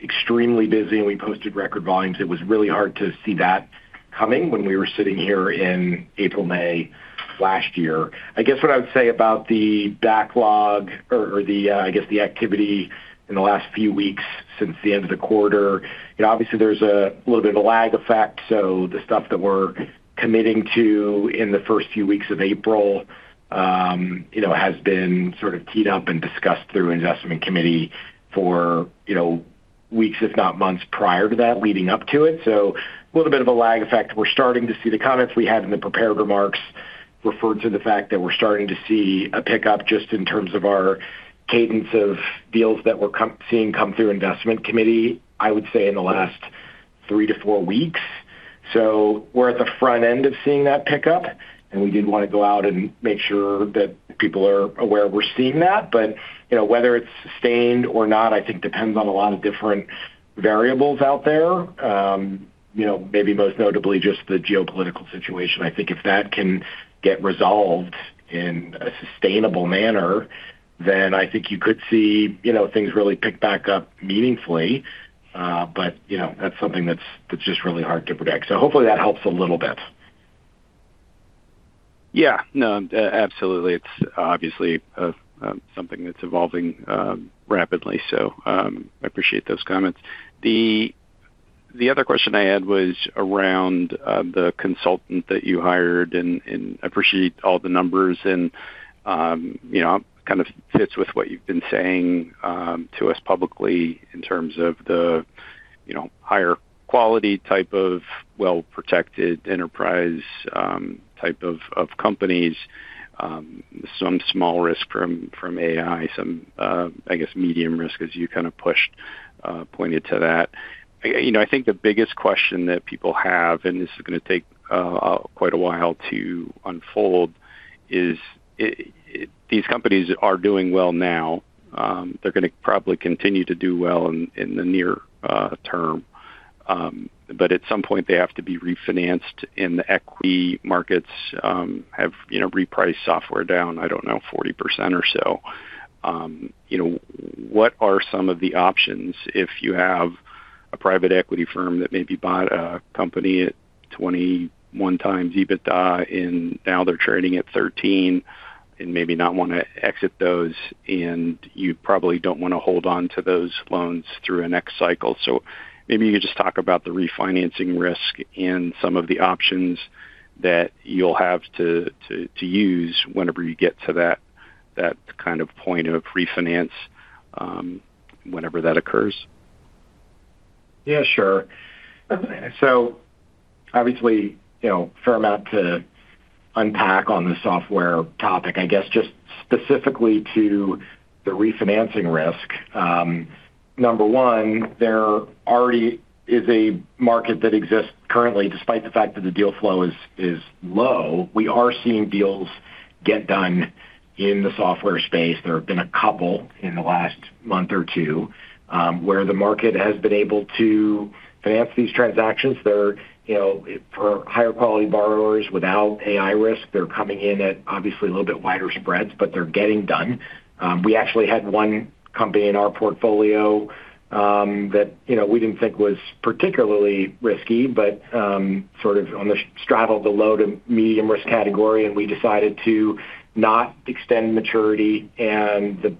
extremely busy, and we posted record volumes. It was really hard to see that coming when we were sitting here in April, May last year. I guess what I would say about the backlog or the, I guess the activity in the last few weeks since the end of the quarter, you know, obviously, there's a little bit of a lag effect. The stuff that we're committing to in the first few weeks of April, you know, has been sort of teed up and discussed through investment committee for, you know, weeks, if not months prior to that leading up to it. A little bit of a lag effect. We're starting to see the comments we had in the prepared remarks referred to the fact that we're starting to see a pickup just in terms of our cadence of deals that we're seeing come through investment committee, I would say, in the last three to four weeks. We're at the front end of seeing that pickup, and we did wanna go out and make sure that people are aware we're seeing that. You know, whether it's sustained or not, I think depends on a lot of different variables out there. You know, maybe most notably just the geopolitical situation. I think if that can get resolved in a sustainable manner, then I think you could see, you know, things really pick back up meaningfully. You know, that's something that's just really hard to predict. Hopefully that helps a little bit. Yeah. No, absolutely. It's obviously something that's evolving rapidly, so I appreciate those comments. The other question I had was around the consultant that you hired and appreciate all the numbers and, you know, kind of fits with what you've been saying to us publicly in terms of the, you know, higher quality type of well-protected enterprise type of companies. Some small risk from AI, some, I guess medium risk as you kind of pushed, pointed to that. You know, I think the biggest question that people have, and this is gonna take quite a while to unfold, is these companies are doing well now. They're gonna probably continue to do well in the near term. At some point they have to be refinanced and the equity markets have, you know, repriced software down, I don't know, 40% or so. You know, what are some of the options if you have a private equity firm that maybe bought a company at 21x EBITDA and now they're trading at 13 and maybe not wanna exit those and you probably don't wanna hold on to those loans through a next cycle. Maybe you could just talk about the refinancing risk and some of the options that you'll have to use whenever you get to that kind of point of refinance whenever that occurs. Yeah, sure. Obviously, you know, fair amount to unpack on the software topic. I guess just specifically to the refinancing risk. Number one, there already is a market that exists currently despite the fact that the deal flow is low. We are seeing deals get done in the software space. There have been a couple in the last month or two, where the market has been able to finance these transactions. They're, you know, for higher quality borrowers without AI risk. They're coming in at obviously a little bit wider spreads, but they're getting done. We actually had 1 company in our portfolio, that, you know, we didn't think was particularly risky, but, sort of on the straddle of the low to medium risk category, and we decided to not extend maturity, and the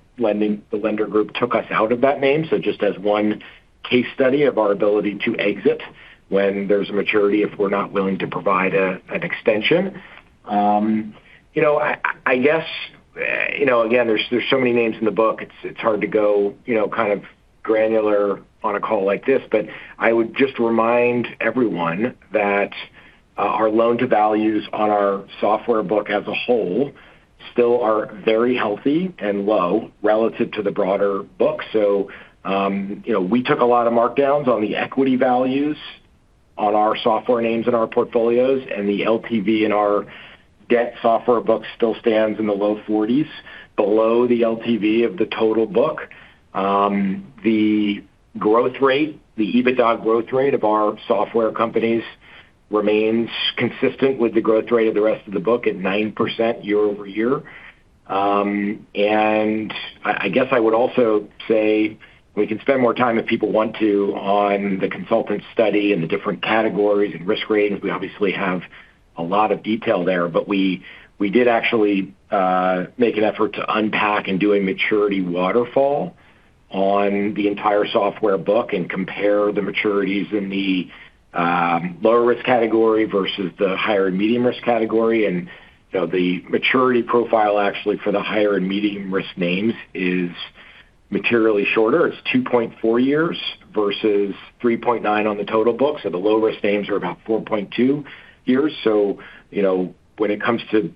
lender group took us out of that name. Just as 1 case study of our ability to exit when there's a maturity if we're not willing to provide an extension. You know, I guess, you know, again, there's so many names in the book, it's hard to go, you know, kind of granular on a call like this. I would just remind everyone that our loan to values on our software book as a whole still are very healthy and low relative to the broader book. You know, we took a lot of markdowns on the equity values on our software names in our portfolios and the LTV in our debt software book still stands in the low 40s below the LTV of the total book. The growth rate, the EBITDA growth rate of our software companies remains consistent with the growth rate of the rest of the book at 9% year-over-year. And I guess I would also say we can spend more time if people want to on the consultant study and the different categories and risk ratings. We obviously have a lot of detail there, but we did actually make an effort to unpack and do a maturity waterfall on the entire software book and compare the maturities in the lower risk category versus the higher and medium risk category. You know, the maturity profile actually for the higher and medium risk names is materially shorter. It's 2.4 years versus 3.9 on the total book. The low risk names are about 4.2 years. You know, when it comes to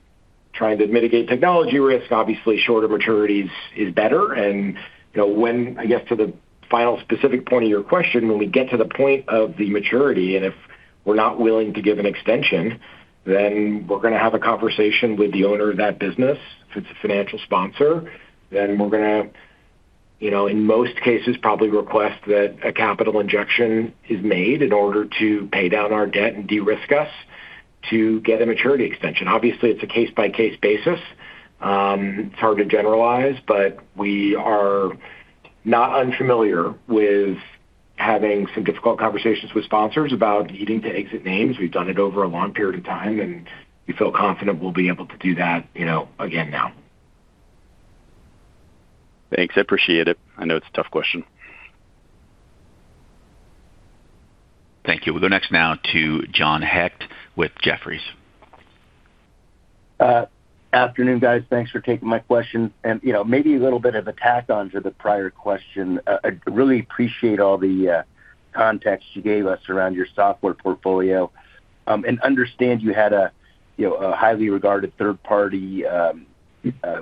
trying to mitigate technology risk, obviously shorter maturities is better. You know, when— I guess to the final specific point of your question, when we get to the point of the maturity, and if we're not willing to give an extension, then we're gonna have a conversation with the owner of that business. If it's a financial sponsor, then we're gonna, you know, in most cases probably request that a capital injection is made in order to pay down our debt and de-risk us to get a maturity extension. Obviously, it's a case-by-case basis. It's hard to generalize, but we are not unfamiliar with having some difficult conversations with sponsors about needing to exit names. We've done it over a long period of time, and we feel confident we'll be able to do that, you know, again now. Thanks. I appreciate it. I know it's a tough question. Thank you. We'll go next now to John Hecht with Jefferies. Afternoon, guys. Thanks for taking my question. You know, maybe a little bit of a tack-on to the prior question. I really appreciate all the context you gave us around your software portfolio. Understand you had a, you know, a highly regarded third-party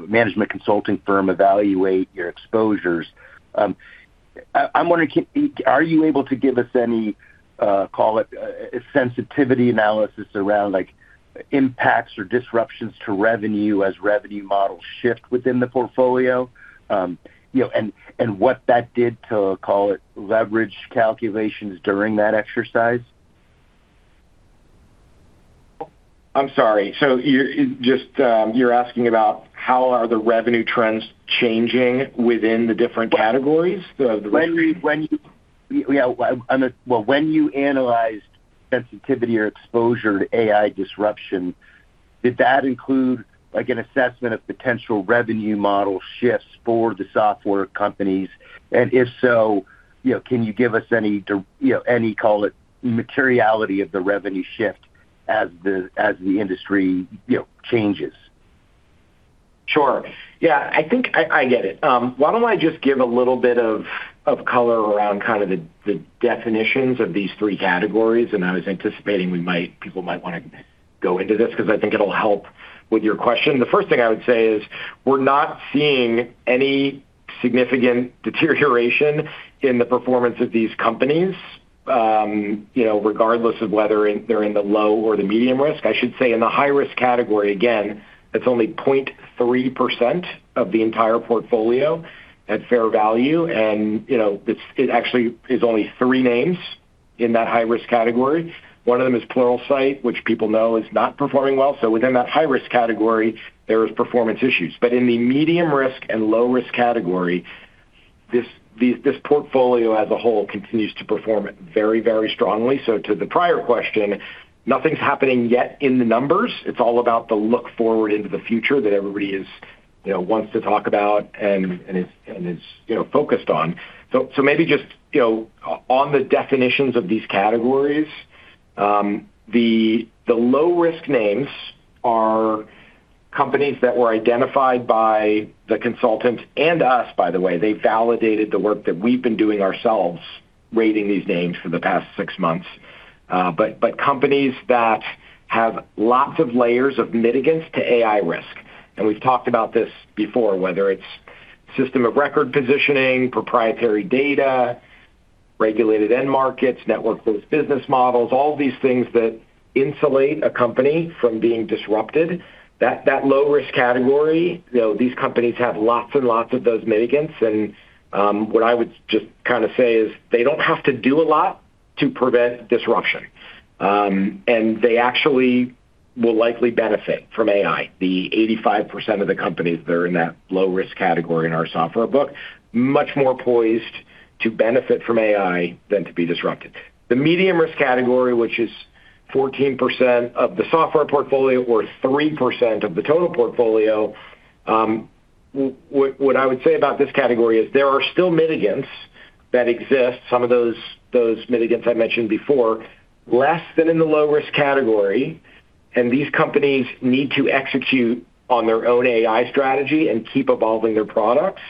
management consulting firm evaluate your exposures. I am wondering, are you able to give us any, call it, a sensitivity analysis around, like, impacts or disruptions to revenue as revenue models shift within the portfolio? You know, and what that did to, call it, leverage calculations during that exercise? I'm sorry. You're asking about how are the revenue trends changing within the different categories? Well, when you analyzed sensitivity or exposure to AI disruption, did that include, like, an assessment of potential revenue model shifts for the software companies? If so, you know, can you give us any you know, any, call it, materiality of the revenue shift as the industry, you know, changes? Sure. Yeah. I think I get it. Why don't I just give a little bit of color around kind of the definitions of these three categories. I was anticipating people might wanna go into this because I think it'll help with your question. The first thing I would say is we're not seeing any significant deterioration in the performance of these companies, you know, regardless of whether they're in the low or the medium risk. I should say in the high-risk category, again, it's only 0.3% of the entire portfolio at fair value. You know, it actually is only three names in that high-risk category. One of them is Pluralsight, which people know is not performing well. Within that high-risk category, there is performance issues. In the medium risk and low risk category, this portfolio as a whole continues to perform very strongly. To the prior question, nothing's happening yet in the numbers. It's all about the look forward into the future that everybody, you know, wants to talk about and is, you know, focused on. Maybe just, you know, on the definitions of these categories, the low-risk names are companies that were identified by the consultants and us, by the way. They validated the work that we've been doing ourselves, rating these names for the past six months. Companies that have lots of layers of mitigants to AI risk. We've talked about this before, whether it's system of record positioning, proprietary data, regulated end markets, network-less business models, all these things that insulate a company from being disrupted. That low-risk category, you know, these companies have lots and lots of those mitigants. What I would just kind of say is they don't have to do a lot to prevent disruption. They actually will likely benefit from AI. The 85% of the companies that are in that low-risk category in our software book, much more poised to benefit from AI than to be disrupted. The medium-risk category, which is 14% of the software portfolio or 3% of the total portfolio, what I would say about this category is there are still mitigants that exist, some of those mitigants I mentioned before, less than in the low-risk category. These companies need to execute on their own AI strategy and keep evolving their products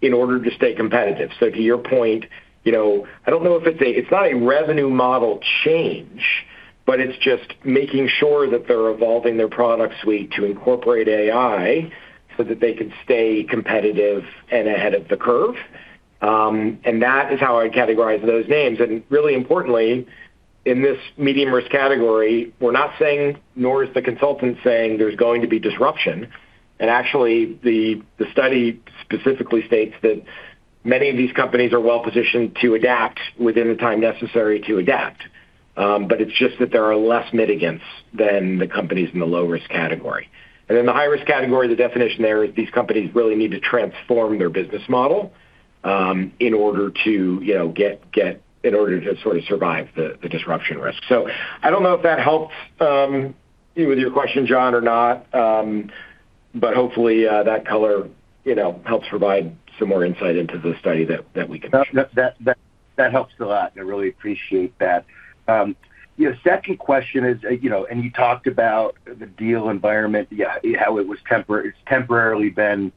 in order to stay competitive. To your point, you know, I don't know if it's a. It's not a revenue model change, but it's just making sure that they're evolving their product suite to incorporate AI so that they can stay competitive and ahead of the curve. That is how I categorize those names. Really importantly, in this medium-risk category, we're not saying, nor is the consultant saying there's going to be disruption. Actually, the study specifically states that many of these companies are well-positioned to adapt within the time necessary to adapt. But it's just that there are less mitigants than the companies in the low-risk category. In the high-risk category, the definition there is these companies really need to transform their business model, in order to, you know, in order to sort of survive the disruption risk. I don't know if that helps, you with your question, John, or not. But hopefully, that color, you know, helps provide some more insight into the study that we conducted. That helps a lot. I really appreciate that. You know, second question is, you know, and you talked about the deal environment, yeah, how it's temporarily been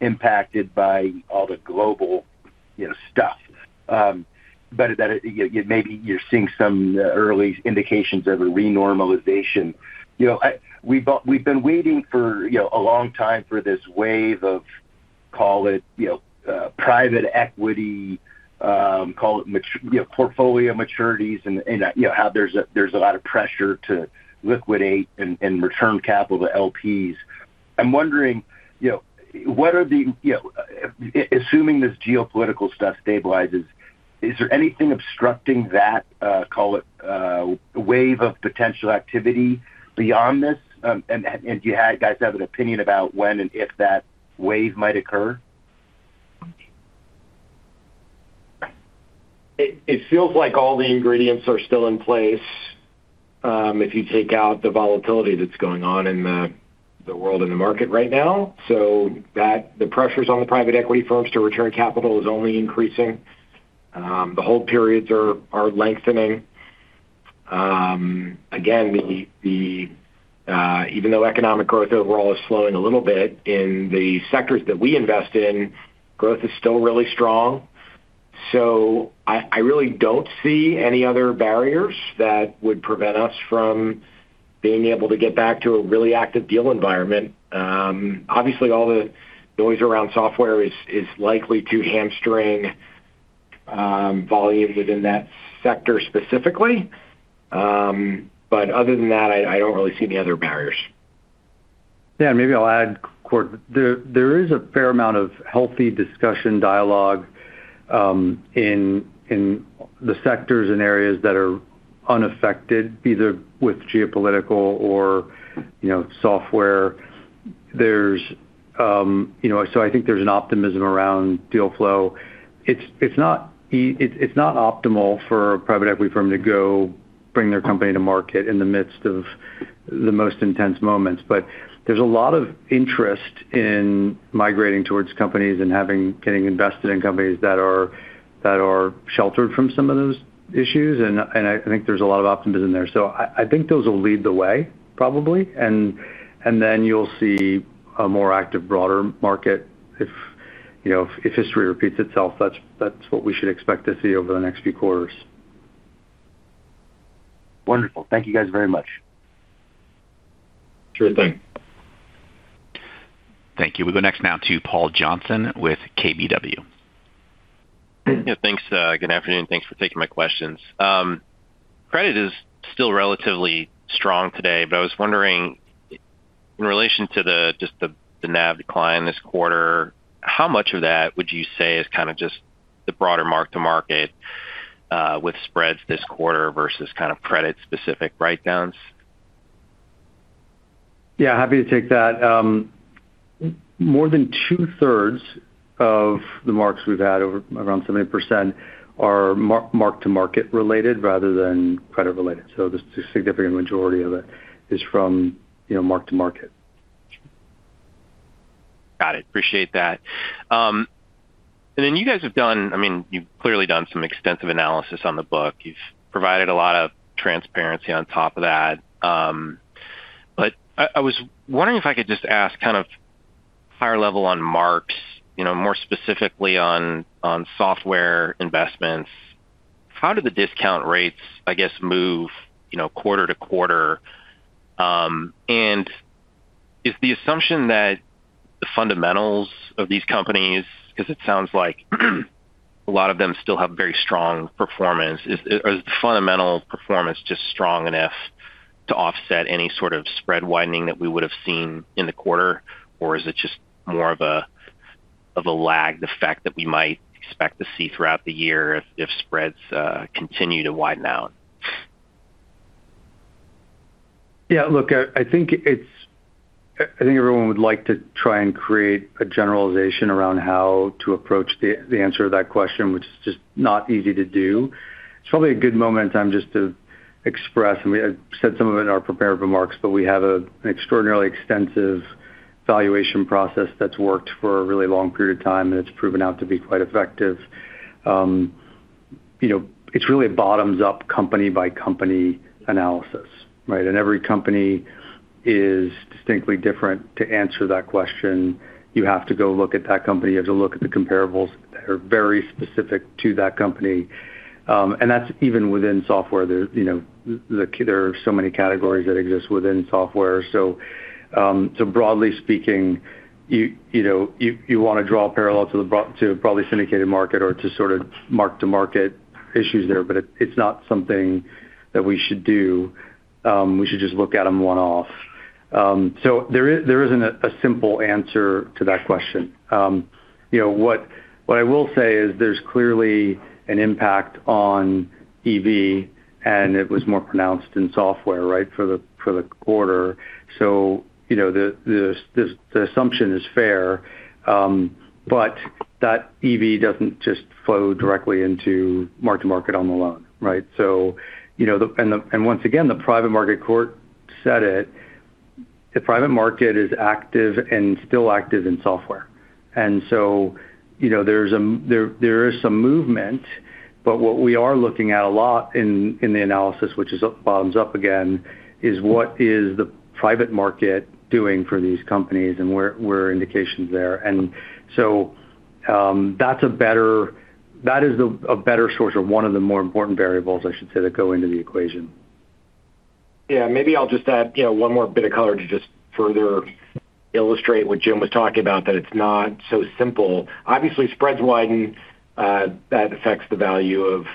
impacted by all the global, you know, stuff. But that it. You know, maybe you're seeing some early indications of a renormalization. You know, We've been waiting for, you know, a long time for this wave of, call it, you know, private equity, call it, you know, portfolio maturities and, you know, how there's a, there's a lot of pressure to liquidate and return capital to LPs. I'm wondering, you know, what are the. You know, assuming this geopolitical stuff stabilizes? Is there anything obstructing that, call it, wave of potential activity beyond this? Guys have an opinion about when and if that wave might occur? It feels like all the ingredients are still in place, if you take out the volatility that's going on in the world and the market right now. That the pressures on the private equity firms to return capital is only increasing. The hold periods are lengthening. Again, even though economic growth overall is slowing a little bit, in the sectors that we invest in, growth is still really strong. I really don't see any other barriers that would prevent us from being able to get back to a really active deal environment. Obviously all the noise around software is likely to hamstring volume within that sector specifically. Other than that, I don't really see any other barriers. Yeah, maybe I'll add, Kort. There is a fair amount of healthy discussion dialogue in the sectors and areas that are unaffected, either with geopolitical or, you know, software. There's, you know, I think there's an optimism around deal flow. It's not optimal for a private equity firm to go bring their company to market in the midst of the most intense moments. There's a lot of interest in migrating towards companies and getting invested in companies that are sheltered from some of those issues, and I think there's a lot of optimism there. I think those will lead the way probably, and then you'll see a more active, broader market if, you know, if history repeats itself. That's what we should expect to see over the next few quarters. Wonderful. Thank you guys very much. Sure thing. Thank you. We go next now to Paul Johnson with KBW. Yeah, thanks. Good afternoon. Thanks for taking my questions. Credit is still relatively strong today, but I was wondering, in relation to the NAV decline this quarter, how much of that would you say is kind of just the broader mark-to-market with spreads this quarter versus kind of credit-specific write-downs? Yeah, happy to take that. More than two-thirds of the marks we've had, or around 70% are mark to market related rather than credit related. The significant majority of it is from, you know, mark to market. Got it. Appreciate that. I mean, you've clearly done some extensive analysis on the book. You've provided a lot of transparency on top of that. I was wondering if I could just ask kind of higher level on marks, you know, more specifically on software investments. How do the discount rates, I guess, move, you know, quarter to quarter? Is the assumption that the fundamentals of these companies, 'cause it sounds like a lot of them still have very strong performance, are the fundamental performance just strong enough to offset any sort of spread widening that we would have seen in the quarter? Or is it just more of a lag, the fact that we might expect to see throughout the year if spreads continue to widen out? Yeah. Look, I think it's. I think everyone would like to try and create a generalization around how to approach the answer to that question, which is just not easy to do. It's probably a good moment in time just to express, and we said some of it in our prepared remarks, but we have an extraordinarily extensive valuation process that's worked for a really long period of time, and it's proven out to be quite effective. You know, it's really a bottoms-up company-by-company analysis, right? Every company is distinctly different. To answer that question, you have to go look at that company. You have to look at the comparables that are very specific to that company. That's even within software. There, you know, there are so many categories that exist within software. Broadly speaking, you know, you want to draw a parallel to probably syndicated market or to sort of mark to market issues there, but it's not something that we should do. We should just look at them one-off. There is, there isn't a simple answer to that question. You know, what I will say is there's clearly an impact on EV, and it was more pronounced in software, right, for the quarter. You know, the assumption is fair, but that EV doesn't just flow directly into mark to market on the loan, right? You know, and once again, the private market, Kort said it. The private market is active and still active in software. You know, there is some movement, but what we are looking at a lot in the analysis, which is bottoms up again, is what is the private market doing for these companies and where indications there. That is a better source or one of the more important variables, I should say, that go into the equation. Yeah, maybe I'll just add, you know, one more bit of color to just further illustrate what Jim was talking about, that it's not so simple. Obviously, spreads widen, that affects the value of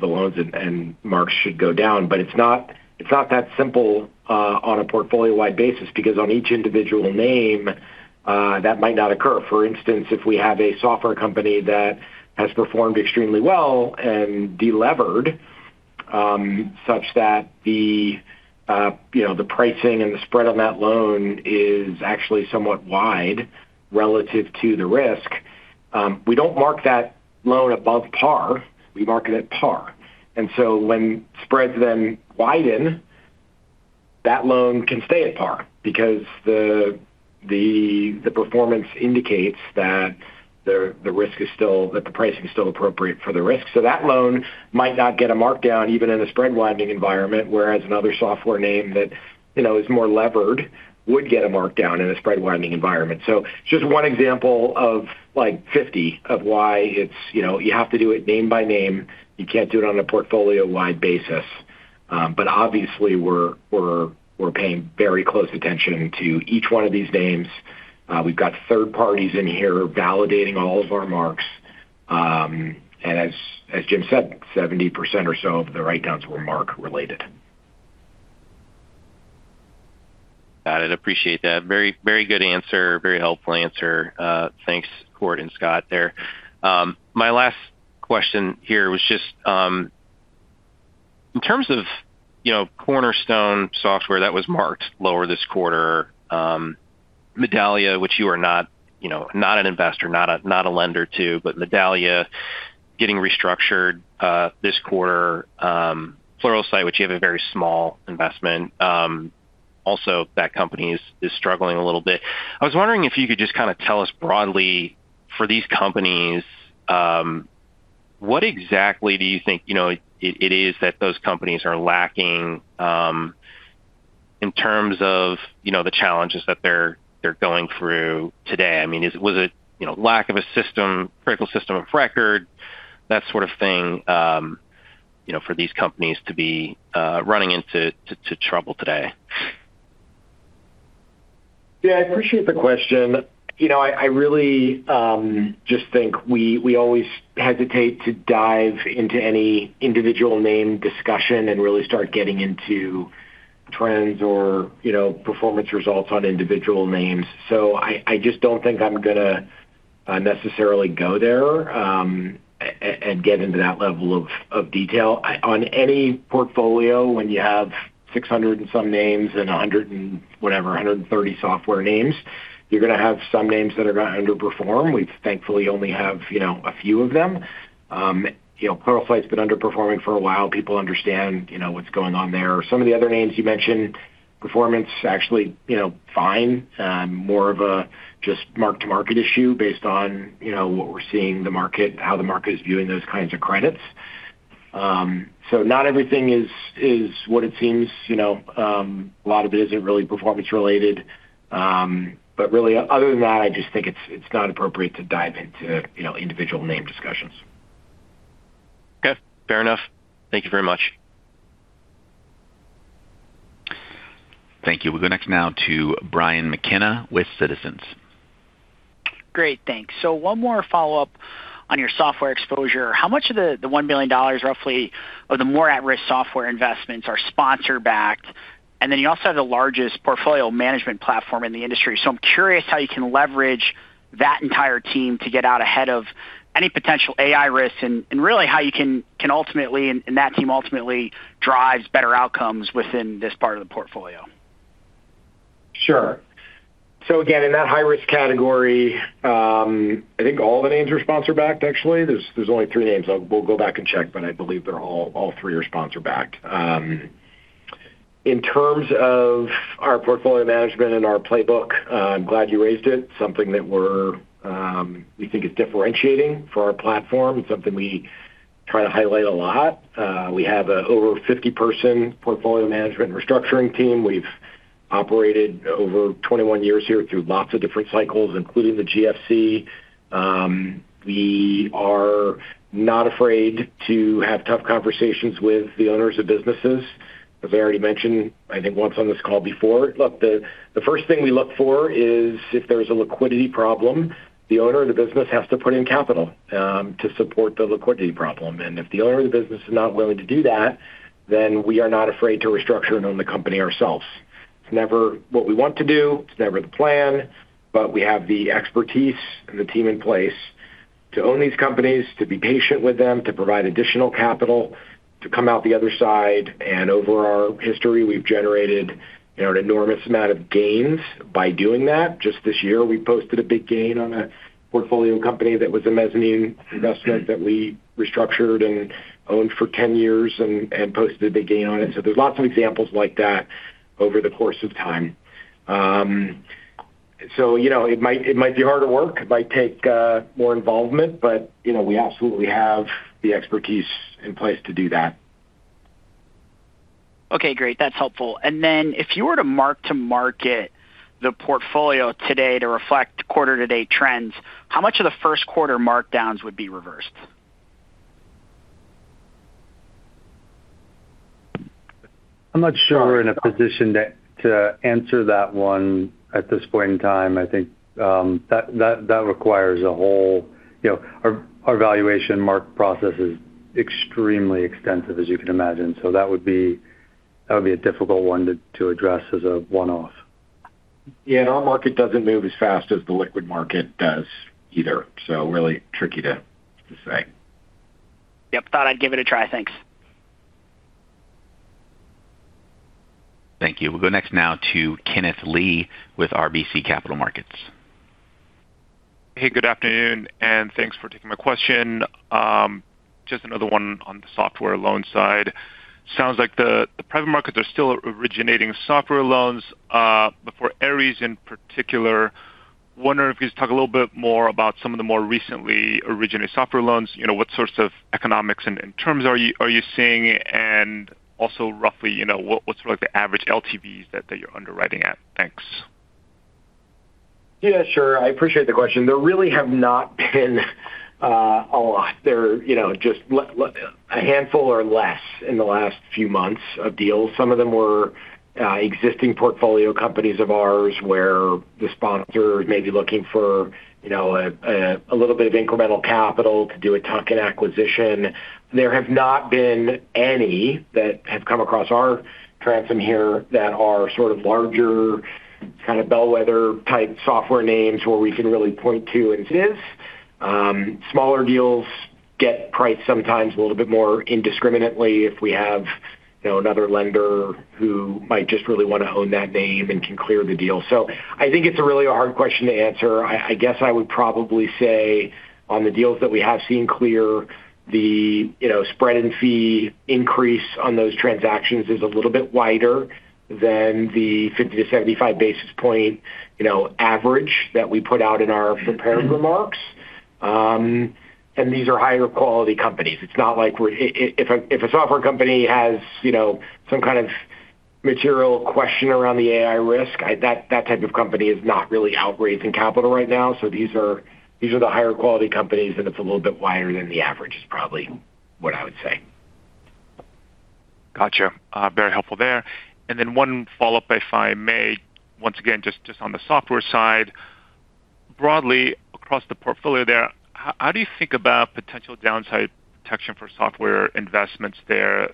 the loans and marks should go down. It's not that simple on a portfolio-wide basis because on each individual name that might not occur. For instance, if we have a software company that has performed extremely well and de-levered such that, you know, the pricing and the spread on that loan is actually somewhat wide relative to the risk. We don't mark that loan above par, we mark it at par. When spreads then widen, that loan can stay at par because the performance indicates that the pricing is still appropriate for the risk. That loan might not get a markdown even in a spread widening environment, whereas another software name that, you know, is more levered would get a markdown in a spread widening environment. Just one example of, like, 50 of why it's, you know, you have to do it name by name. You can't do it on a portfolio-wide basis. Obviously we're paying very close attention to each one of these names. We've got third parties in here validating all of our marks. As Jim said, 70% or so of the write-downs were mark-related. Got it. Appreciate that. Very, very good answer. Very helpful answer. Thanks, Kort and Scott there. My last question here was just, in terms of, you know, Cornerstone Software that was marked lower this quarter, Medallia, which you are not, you know, not an investor, not a, not a lender to, but Medallia getting restructured this quarter. Pluralsight, which you have a very small investment, also that company is struggling a little bit. I was wondering if you could just kind of tell us broadly for these companies, what exactly do you think, you know, it is that those companies are lacking, in terms of, you know, the challenges that they're going through today? I mean, was it, you know, lack of a system, critical system of record, that sort of thing, you know, for these companies to be running into trouble today? Yeah, I appreciate the question. You know, I really just think we always hesitate to dive into any individual name discussion and really start getting into trends or, you know, performance results on individual names. I just don't think I'm gonna necessarily go there and get into that level of detail. On any portfolio, when you have 600 and some names and 100 and whatever, 130 software names, you're gonna have some names that are gonna underperform. We thankfully only have, you know, a few of them. You know, Pluralsight's been underperforming for a while. People understand, you know, what's going on there. Some of the other names you mentioned, performance actually, you know, fine. More of a just mark-to-market issue based on, you know, what we're seeing the market and how the market is viewing those kinds of credits. Not everything is what it seems, you know. A lot of it isn't really performance related. Really, other than that, I just think it's not appropriate to dive into, you know, individual name discussions. Okay, fair enough. Thank you very much. Thank you. We'll go next now to Brian McKenna with Citizens. Great. Thanks. One more follow-up on your software exposure. How much of the $1 billion roughly of the more at-risk software investments are sponsor backed? You also have the largest portfolio management platform in the industry. I'm curious how you can leverage that entire team to get out ahead of any potential AI risk and really how you can ultimately, and that team ultimately drives better outcomes within this part of the portfolio. Sure. Again, in that high-risk category, I think all the names are sponsor backed actually. There's only three names. We'll go back and check, but I believe they're all three are sponsor backed. In terms of our portfolio management and our playbook, I'm glad you raised it. Something that we're, we think is differentiating for our platform. It's something we try to highlight a lot. We have a over 50 person portfolio management restructuring team. We've operated over 21 years here through lots of different cycles, including the GFC. We are not afraid to have tough conversations with the owners of businesses. As I already mentioned, I think once on this call before. Look, the first thing we look for is if there's a liquidity problem, the owner of the business has to put in capital to support the liquidity problem. If the owner of the business is not willing to do that, then we are not afraid to restructure and own the company ourselves. It's never what we want to do. It's never the plan. We have the expertise and the team in place to own these companies, to be patient with them, to provide additional capital, to come out the other side. Over our history, we've generated, you know, an enormous amount of gains by doing that. Just this year, we posted a big gain on a portfolio company that was a mezzanine investment that we restructured and owned for 10 years and posted a big gain on it. There's lots of examples like that over the course of time. You know, it might, it might be harder work. It might take more involvement, but, you know, we absolutely have the expertise in place to do that. Okay, great. That's helpful. If you were to mark to market the portfolio today to reflect quarter to date trends, how much of the Q1 markdowns would be reversed? I'm not sure we're in a position to answer that one at this point in time. I think. You know, our valuation mark process is extremely extensive, as you can imagine. That would be a difficult one to address as a one-off. Yeah, our market doesn't move as fast as the liquid market does either. Really tricky to say. Yep. Thought I'd give it a try. Thanks. Thank you. We'll go next now to Kenneth Lee with RBC Capital Markets. Hey, good afternoon, and thanks for taking my question. Just another one on the software loan side. Sounds like the private markets are still originating software loans. For Ares in particular, wondering if you could talk a little bit more about some of the more recently originated software loans. You know, what sorts of economics and terms are you seeing? Also roughly, you know, what's like the average LTVs that you're underwriting at? Thanks. Yeah, sure. I appreciate the question. There really have not been a lot. There, you know, just a handful or less in the last few months of deals. Some of them were existing portfolio companies of ours where the sponsor may be looking for, you know, a, a little bit of incremental capital to do a tuck-in acquisition. There have not been any that have come across our transom here that are sort of larger kind of bellwether-type software names where we can really point to and say this. Smaller deals get priced sometimes a little bit more indiscriminately if we have, you know, another lender who might just really wanna own that name and can clear the deal. I think it's a really a hard question to answer. I guess I would probably say on the deals that we have seen clear, the, you know, spread in fee increase on those transactions is a little bit wider than the 50 to 75 basis point, you know, average that we put out in our prepared remarks. These are higher quality companies. If a software company has, you know, some kind of material question around the AI risk, that type of company is not really out raising capital right now. These are the higher quality companies, it's a little bit wider than the average is probably what I would say. Gotcha. Very helpful there. Then one follow-up, if I may. Once again, just on the software side. Broadly across the portfolio there, how do you think about potential downside protection for software investments there,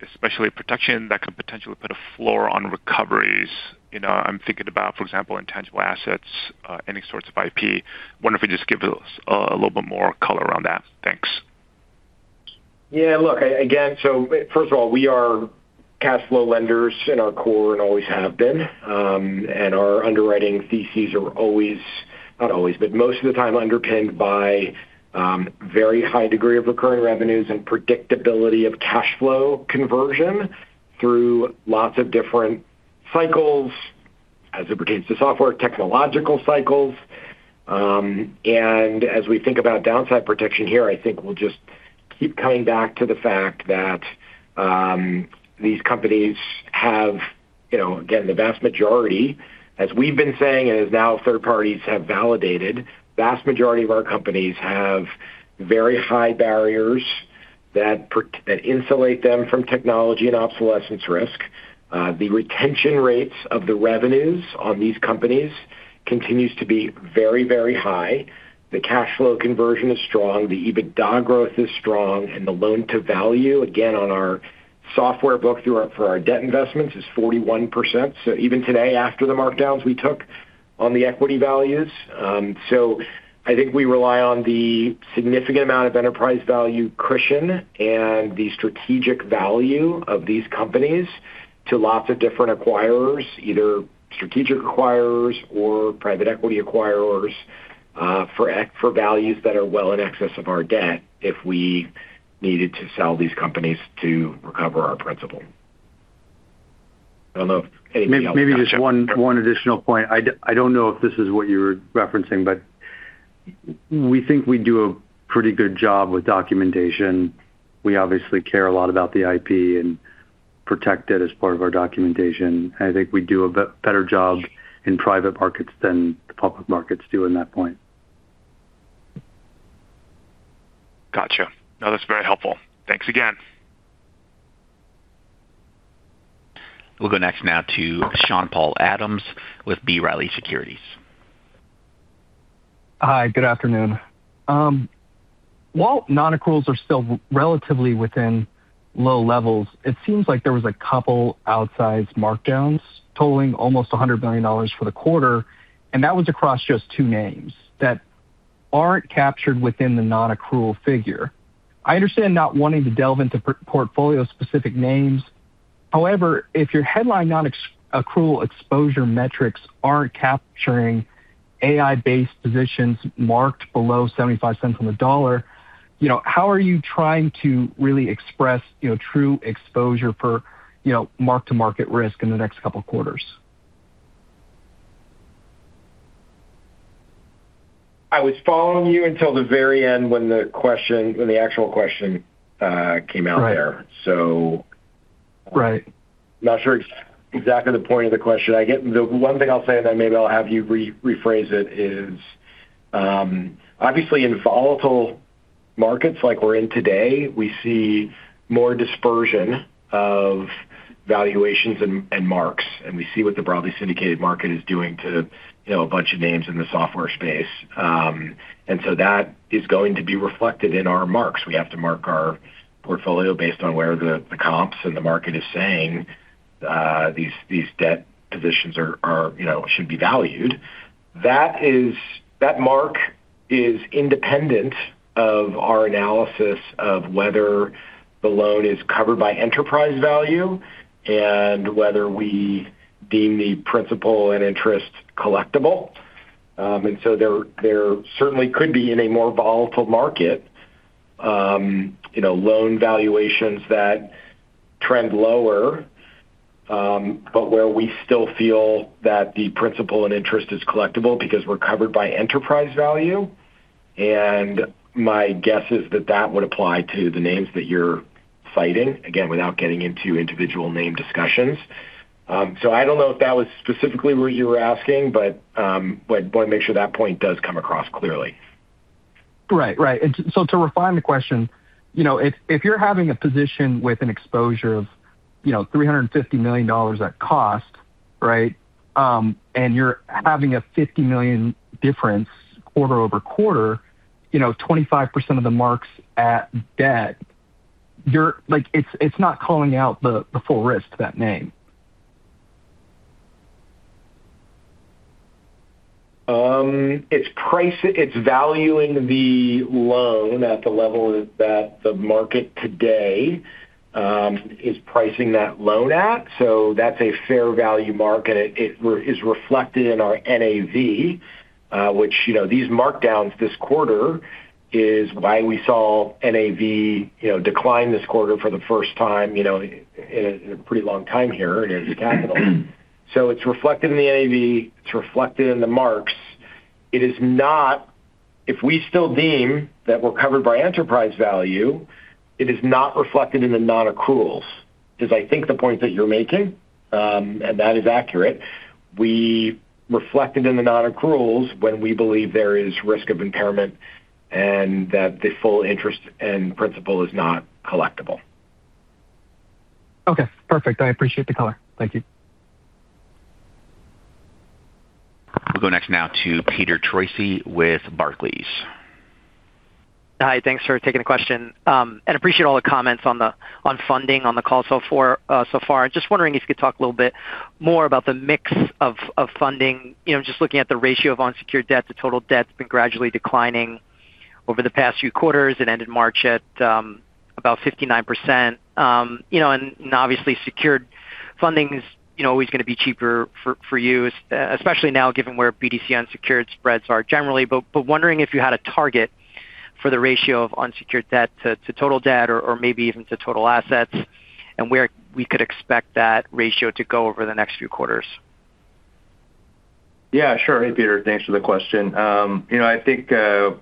especially protection that could potentially put a floor on recoveries? You know, I'm thinking about, for example, intangible assets, any sorts of IP. Wondering if you could just give us a little bit more color on that. Thanks. Yeah, look, again, first of all, we are cash flow lenders in our core and always have been. Our underwriting theses are always not always, but most of the time underpinned by a very high degree of recurring revenues and predictability of cash flow conversion through lots of different cycles as it pertains to software, technological cycles. As we think about downside protection here, I think we'll just keep coming back to the fact that these companies have, you know, again, the vast majority, as we've been saying and as now third parties have validated, vast majority of our companies have very high barriers that insulate them from technology and obsolescence risk. The retention rates of the revenues on these companies continues to be very, very high. The cash flow conversion is strong, the EBITDA growth is strong, and the loan to value, again, on our software book for our debt investments is 41%. Even today after the markdowns we took on the equity values. I think we rely on the significant amount of enterprise value cushion and the strategic value of these companies to lots of different acquirers, either strategic acquirers or private equity acquirers, for values that are well in excess of our debt if we needed to sell these companies to recover our principal. I don't know if anything else. Maybe just one additional point. I don't know if this is what you were referencing, but we think we do a pretty good job with documentation. We obviously care a lot about the IP and protect it as part of our documentation. I think we do a better job in private markets than the public markets do in that point. Gotcha. No, that's very helpful. Thanks again. We'll go next now to Sean-Paul Adams with B. Riley Securities. Hi, good afternoon. While non-accruals are still relatively within low levels, it seems like there was 2 outsized markdowns totaling almost $100 million for the quarter, and that was across just 2 names that aren't captured within the non-accrual figure. I understand not wanting to delve into portfolio-specific names. However, if your headline non-accrual exposure metrics aren't capturing asset-based positions marked below $0.75 on the dollar, you know, how are you trying to really express, you know, true exposure per, you know, mark-to-market risk in the next couple quarters? I was following you until the very end when the actual question came out there. Right. So- Right... I'm not sure exactly the point of the question. The one thing I'll say, and then maybe I'll have you rephrase it, is, obviously in volatile markets like we're in today, we see more dispersion of valuations and marks, and we see what the broadly syndicated market is doing to, you know, a bunch of names in the software space. That is going to be reflected in our marks. We have to mark our portfolio based on where the comps and the market is saying, these debt positions are, you know, should be valued. That mark is independent of our analysis of whether the loan is covered by enterprise value and whether we deem the principal and interest collectible. There certainly could be in a more volatile market, you know, loan valuations that trend lower, but where we still feel that the principal and interest is collectible because we're covered by enterprise value. My guess is that that would apply to the names that you're citing, again, without getting into individual name discussions. I don't know if that was specifically what you were asking, but wanna make sure that point does come across clearly. Right. Right. To refine the question, you know, if you're having a position with an exposure of, you know, $350 million at cost, right? You're having a $50 million difference quarter-over-quarter, you know, 25% of the mark's at debt. Like, it's not calling out the full risk to that name. It's valuing the loan at the level that the market today is pricing that loan at. That's a fair value mark, and it is reflected in our NAV. Which, you know, these markdowns this quarter is why we saw NAV, you know, decline this quarter for the first time, you know, in a pretty long time here in Ares Capital. It's reflected in the NAV, it's reflected in the marks. If we still deem that we're covered by enterprise value, it is not reflected in the non-accruals. Is I think the point that you're making, and that is accurate. We reflect it in the non-accruals when we believe there is risk of impairment and that the full interest and principal is not collectible. Okay. Perfect. I appreciate the color. Thank you. We'll go next now to Peter Troisi with Barclays. Hi, thanks for taking the question. Appreciate all the comments on funding on the call so far. Just wondering if you could talk a little bit more about the mix of funding. You know, just looking at the ratio of unsecured debt to total debt has been gradually declining over the past few quarters. It ended March at about 59%. You know, and obviously secured funding is, you know, always gonna be cheaper for you, especially now given where BDC unsecured spreads are generally. Wondering if you had a target for the ratio of unsecured debt to total debt or maybe even to total assets, and where we could expect that ratio to go over the next few quarters. Yeah, sure. Hey, Peter, thanks for the question. You know, I think,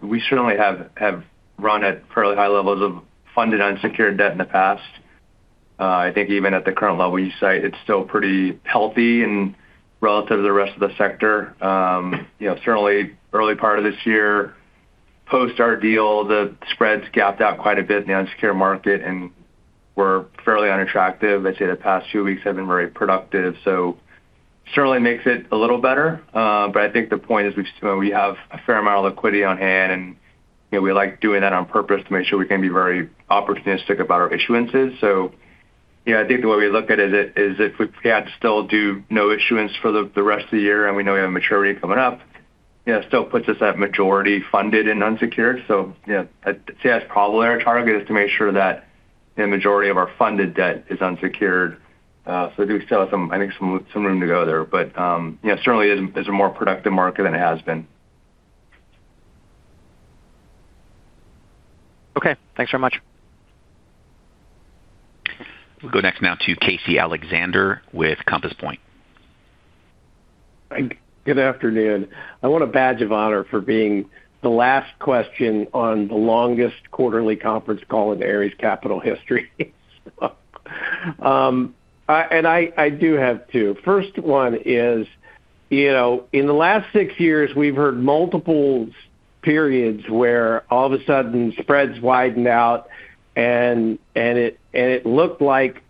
we certainly have run at fairly high levels of funded unsecured debt in the past. I think even at the current level you cite, it's still pretty healthy and relative to the rest of the sector. You know, certainly early part of this year, post our deal, the spreads gapped out quite a bit in the unsecured market, and were fairly unattractive. I'd say the past few weeks have been very productive. Certainly makes it a little better. I think the point is, you know, we have a fair amount of liquidity on hand, and, you know, we like doing that on purpose to make sure we can be very opportunistic about our issuances. You know, I think the way we look at it is if we can't still do no issuance for the rest of the year and we know we have maturity coming up, you know, it still puts us at majority funded and unsecured. I'd say that's probably our target is to make sure that the majority of our funded debt is unsecured. I do still have some room to go there. You know, certainly is a more productive market than it has been. Okay. Thanks very much. We'll go next now to Casey Alexander with Compass Point. Good afternoon. I want a badge of honor for being the last question on the longest quarterly conference call in Ares Capital history. I do have two. First one is, in the last six years, we've heard multiple periods where all of a sudden spreads widen out and it, and it looked like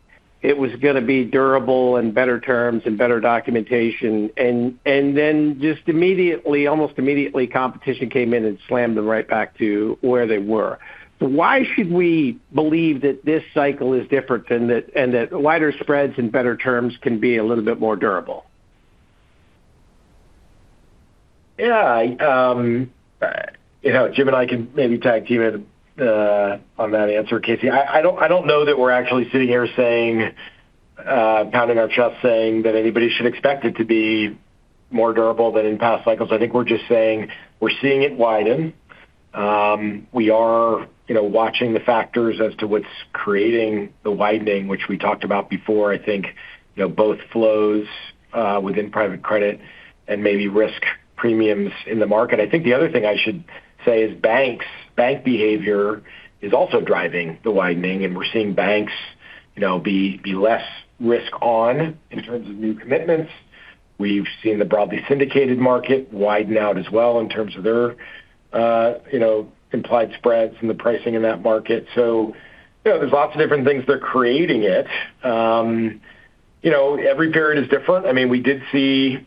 it was gonna be durable and better terms and better documentation. Then just immediately, almost immediately, competition came in and slammed them right back to where they were. Why should we believe that this cycle is different than that and that wider spreads and better terms can be a little bit more durable? Yeah. You know, Jim Miller and I can maybe tag team in on that answer, Casey Alexander. I don't know that we're actually sitting here saying pounding our chest saying that anybody should expect it to be more durable than in past cycles. I think we're just saying we're seeing it widen. We are, you know, watching the factors as to what's creating the widening, which we talked about before. I think, you know, both flows within private credit and maybe risk premiums in the market. I think the other thing I should say is banks. Bank behavior is also driving the widening. We're seeing banks, you know, be less risk on in terms of new commitments. We've seen the broadly syndicated market widen out as well in terms of their, you know, implied spreads and the pricing in that market. You know, there's lots of different things that are creating it. You know, every period is different. I mean, we did see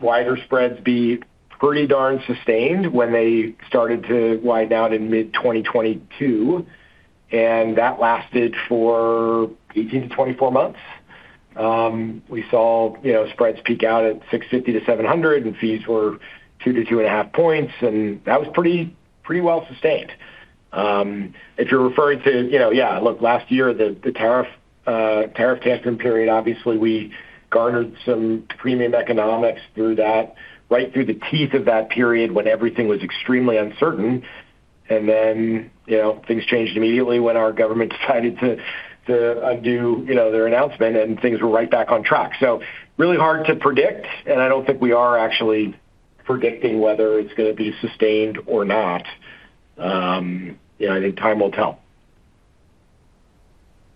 wider spreads be pretty darn sustained when they started to widen out in mid-2022, and that lasted for 18-24 months. We saw, you know, spreads peak out at 650-700, and fees were 2-2.5 points, and that was pretty well sustained. If you're referring to, you know... Yeah, look, last year, the tariff tantrum period, obviously we garnered some premium economics through that, right through the teeth of that period when everything was extremely uncertain. Then, you know, things changed immediately when our government decided to undo, you know, their announcement, and things were right back on track. Really hard to predict, and I don't think we are actually predicting whether it's going to be sustained or not. You know, I think time will tell.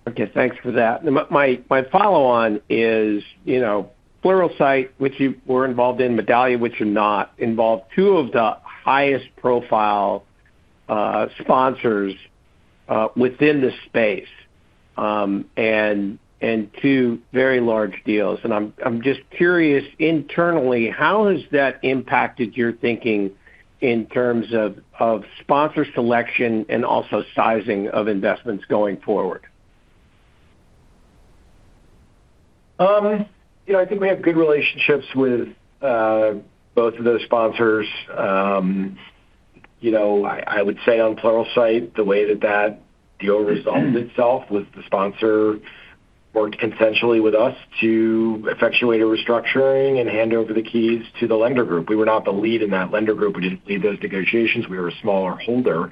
Okay. Thanks for that. My follow-on is, you know, Pluralsight, which you were involved in, Medallia, which you're not, involved two of the highest profile sponsors within the space, and two very large deals. I'm just curious, internally, how has that impacted your thinking in terms of sponsor selection and also sizing of investments going forward? You know, I think we have good relationships with both of those sponsors. You know, I would say on Pluralsight, the way that that deal resolved itself was the sponsor worked consensually with us to effectuate a restructuring and hand over the keys to the lender group. We were not the lead in that lender group. We didn't lead those negotiations. We were a smaller holder.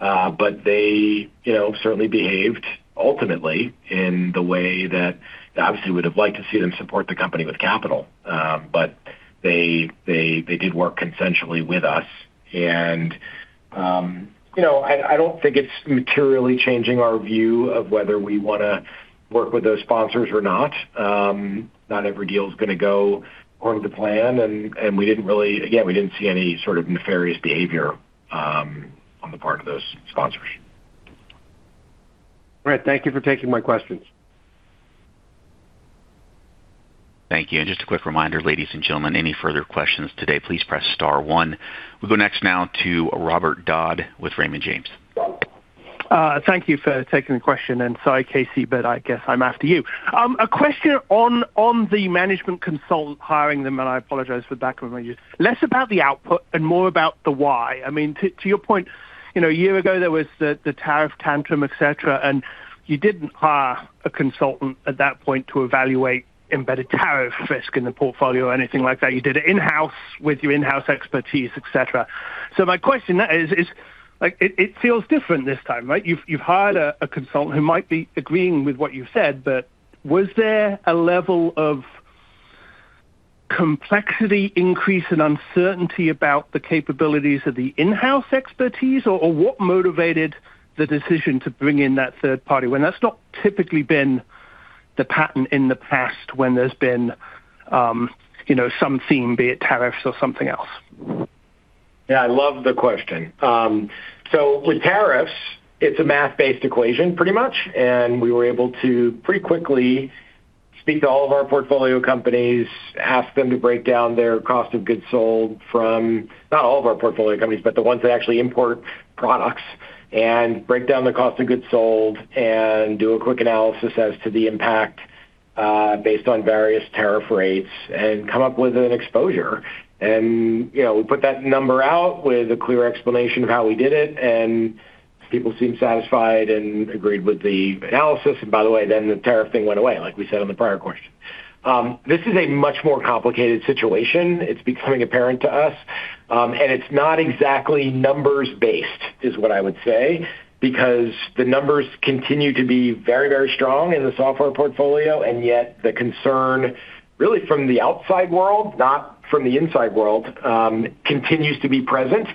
They, you know, certainly behaved ultimately in the way that obviously we would have liked to see them support the company with capital. They did work consensually with us. You know, I don't think it's materially changing our view of whether we wanna work with those sponsors or not. Not every deal is gonna go according to plan, and we didn't really. Again, we didn't see any sort of nefarious behavior, on the part of those sponsors. All right. Thank you for taking my questions. Thank you. Just a quick reminder, ladies and gentlemen, any further questions today, please press star one. We will go next now to Robert Dodd with Raymond James. Thank you for taking the question. Sorry, Casey, but I guess I'm after you. A question on the management consult hiring them. I apologize for the background noise. Less about the output and more about the why. I mean, to your point, you know, a year ago there was the tariff tantrum, et cetera. You didn't hire a consultant at that point to evaluate embedded tariff risk in the portfolio or anything like that. You did it in-house with your in-house expertise, et cetera. My question there is, like, it feels different this time, right? You've hired a consultant who might be agreeing with what you've said. Was there a level of complexity increase and uncertainty about the capabilities of the in-house expertise? What motivated the decision to bring in that third party when that's not typically been the pattern in the past when there's been, you know, some theme, be it tariffs or something else? Yeah, I love the question. With tariffs, it's a math-based equation pretty much, and we were able to pretty quickly speak to all of our portfolio companies, ask them to break down their cost of goods sold. Not all of our portfolio companies, but the ones that actually import products, and break down the cost of goods sold and do a quick analysis as to the impact based on various tariff rates and come up with an exposure. You know, we put that number out with a clear explanation of how we did it, and people seemed satisfied and agreed with the analysis. By the way, then the tariff thing went away, like we said on the prior question. This is a much more complicated situation. It's becoming apparent to us, it's not exactly numbers based, is what I would say, because the numbers continue to be very, very strong in the software portfolio, and yet the concern really from the outside world, not from the inside world, continues to be present.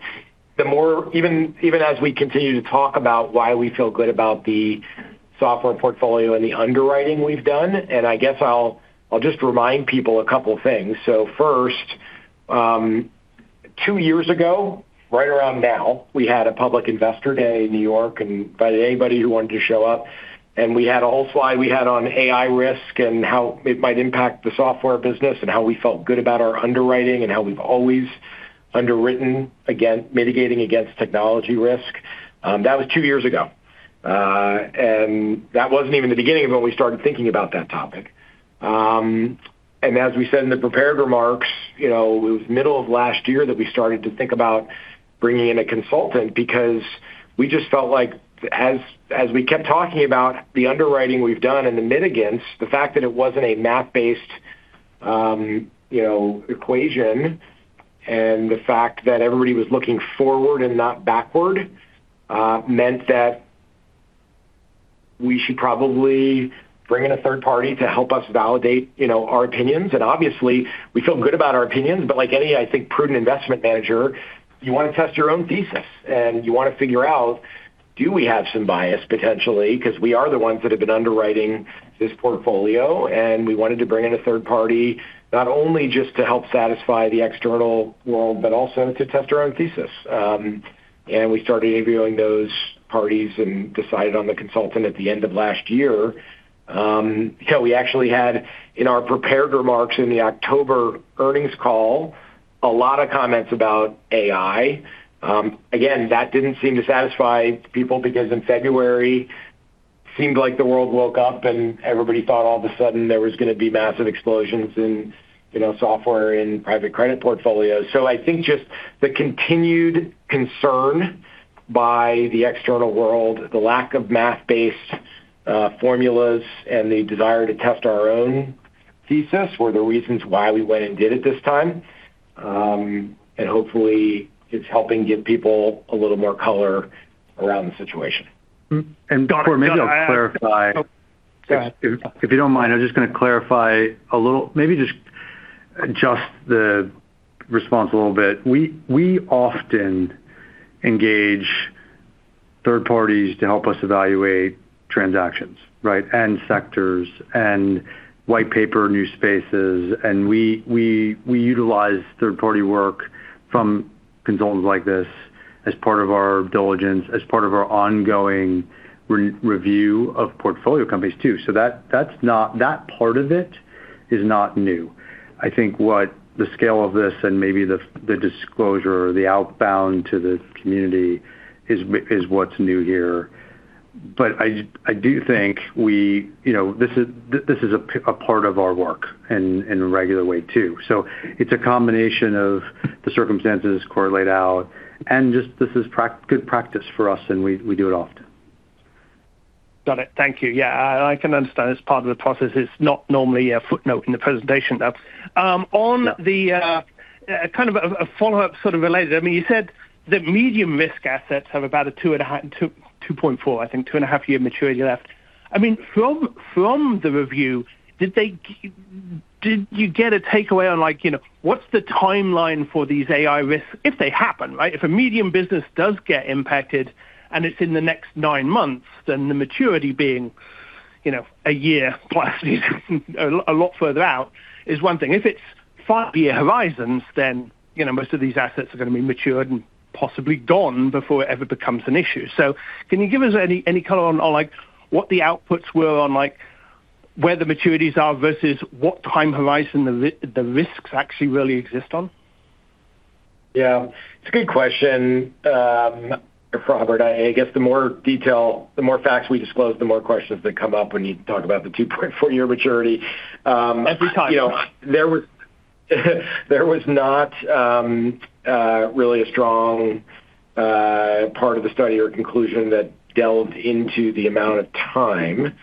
Even as we continue to talk about why we feel good about the software portfolio and the underwriting we've done, I guess I'll just remind people a couple things. First, two years ago, right around now, we had a public investor day in New York, invited anybody who wanted to show up. We had a whole slide we had on AI risk and how it might impact the software business and how we felt good about our underwriting and how we've always underwritten mitigating against technology risk. That was two years ago. That wasn't even the beginning of when we started thinking about that topic. As we said in the prepared remarks, you know, it was middle of last year that we started to think about bringing in a consultant because we just felt like as we kept talking about the underwriting we've done and the mitigants, the fact that it wasn't a math-based, you know, equation and the fact that everybody was looking forward and not backward, meant that we should probably bring in a third party to help us validate, you know, our opinions. Obviously we feel good about our opinions, but like any, I think, prudent investment manager, you wanna test your own thesis, and you wanna figure out, do we have some bias potentially? 'Cause we are the ones that have been underwriting this portfolio, and we wanted to bring in a third party, not only just to help satisfy the external world, but also to test our own thesis. We started interviewing those parties and decided on the consultant at the end of last year. You know, we actually had in our prepared remarks in the October earnings call. A lot of comments about AI. Again, that didn't seem to satisfy people because in February seemed like the world woke up and everybody thought all of a sudden there was gonna be massive explosions in, you know, software and private credit portfolios. I think just the continued concern by the external world, the lack of math-based formulas and the desire to test our own thesis were the reasons why we went and did it this time. Hopefully it's helping give people a little more color around the situation. Kort, maybe I'll clarify. Go ahead. If you don't mind, I'm just going to adjust the response a little bit. We often engage third parties to help us evaluate transactions, right? And sectors and white paper, new spaces, and we utilize third-party work from consultants like this as part of our diligence, as part of our ongoing re-review of portfolio companies too. That part of it is not new. I think what the scale of this and maybe the disclosure or the outbound to the community is what's new here. I do think we, you know, this is a part of our work in a regular way too. It's a combination of the circumstances Kort laid out and just this is good practice for us, and we do it often. Got it. Thank you. Yeah. I can understand it's part of the process. It's not normally a footnote in the presentation note. On the kind of a follow-up sort of related. I mean, you said that medium risk assets have about a 2.5, 2.4, I think, 2.5-year maturity left. I mean, from the review, did you get a takeaway on, like, you know, what's the timeline for these AI risks if they happen, right? If a medium business does get impacted and it's in the next nine months, then the maturity being, you know, a year plus a lot further out is one thing. If it's five year horizons, then, you know, most of these assets are gonna be matured and possibly gone before it ever becomes an issue. Can you give us any color on, like, what the outputs were on, like, where the maturities are versus what time horizon the risks actually really exist on? Yeah. It's a good question, Robert. I guess the more detail, the more facts we disclose, the more questions that come up when you talk about the 2.4-year maturity. Every time. There was not really a strong part of the study or conclusion that delved into the amount of time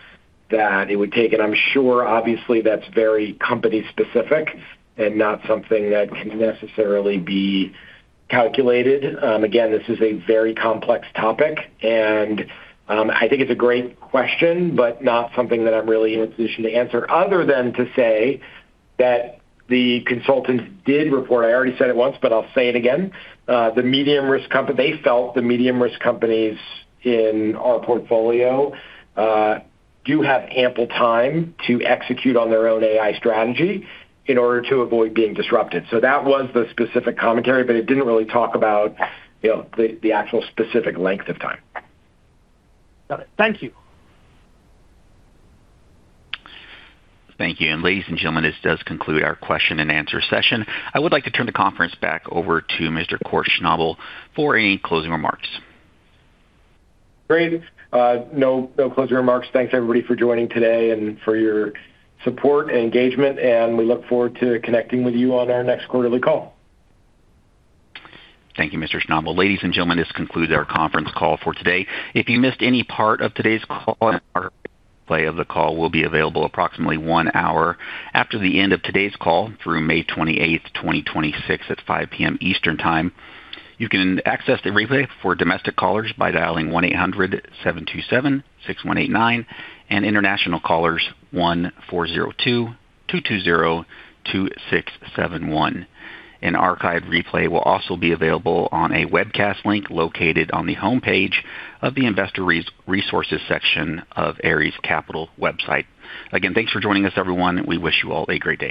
that it would take. I'm sure obviously that's very company specific and not something that can necessarily be calculated. Again, this is a very complex topic, and I think it's a great question, but not something that I'm really in a position to answer other than to say that the consultants did report. I already said it once, but I'll say it again. The medium risk companies in our portfolio do have ample time to execute on their own AI strategy in order to avoid being disrupted. That was the specific commentary, but it didn't really talk about, you know, the actual specific length of time. Got it. Thank you. Thank you. Ladies and gentlemen, this does conclude our question and answer session. I would like to turn the conference back over to Mr. Kort Schnabel for any closing remarks. Great. No closing remarks. Thanks, everybody, for joining today and for your support and engagement. We look forward to connecting with you on our next quarterly call. Thank you, Mr. Schnabel. Ladies and gentlemen, this concludes our conference call for today. If you missed any part of today's call, a replay of the call will be available approximately one hour after the end of today's call through May 28th, 2026 at 5:00 P.M. Eastern Time. You can access the replay for domestic callers by dialing 1-800-727-6189, and international callers, 1-402-220-2671. An archive replay will also be available on a webcast link located on the homepage of the Investor Resources section of Ares Capital website. Again, thanks for joining us, everyone. We wish you all a great day.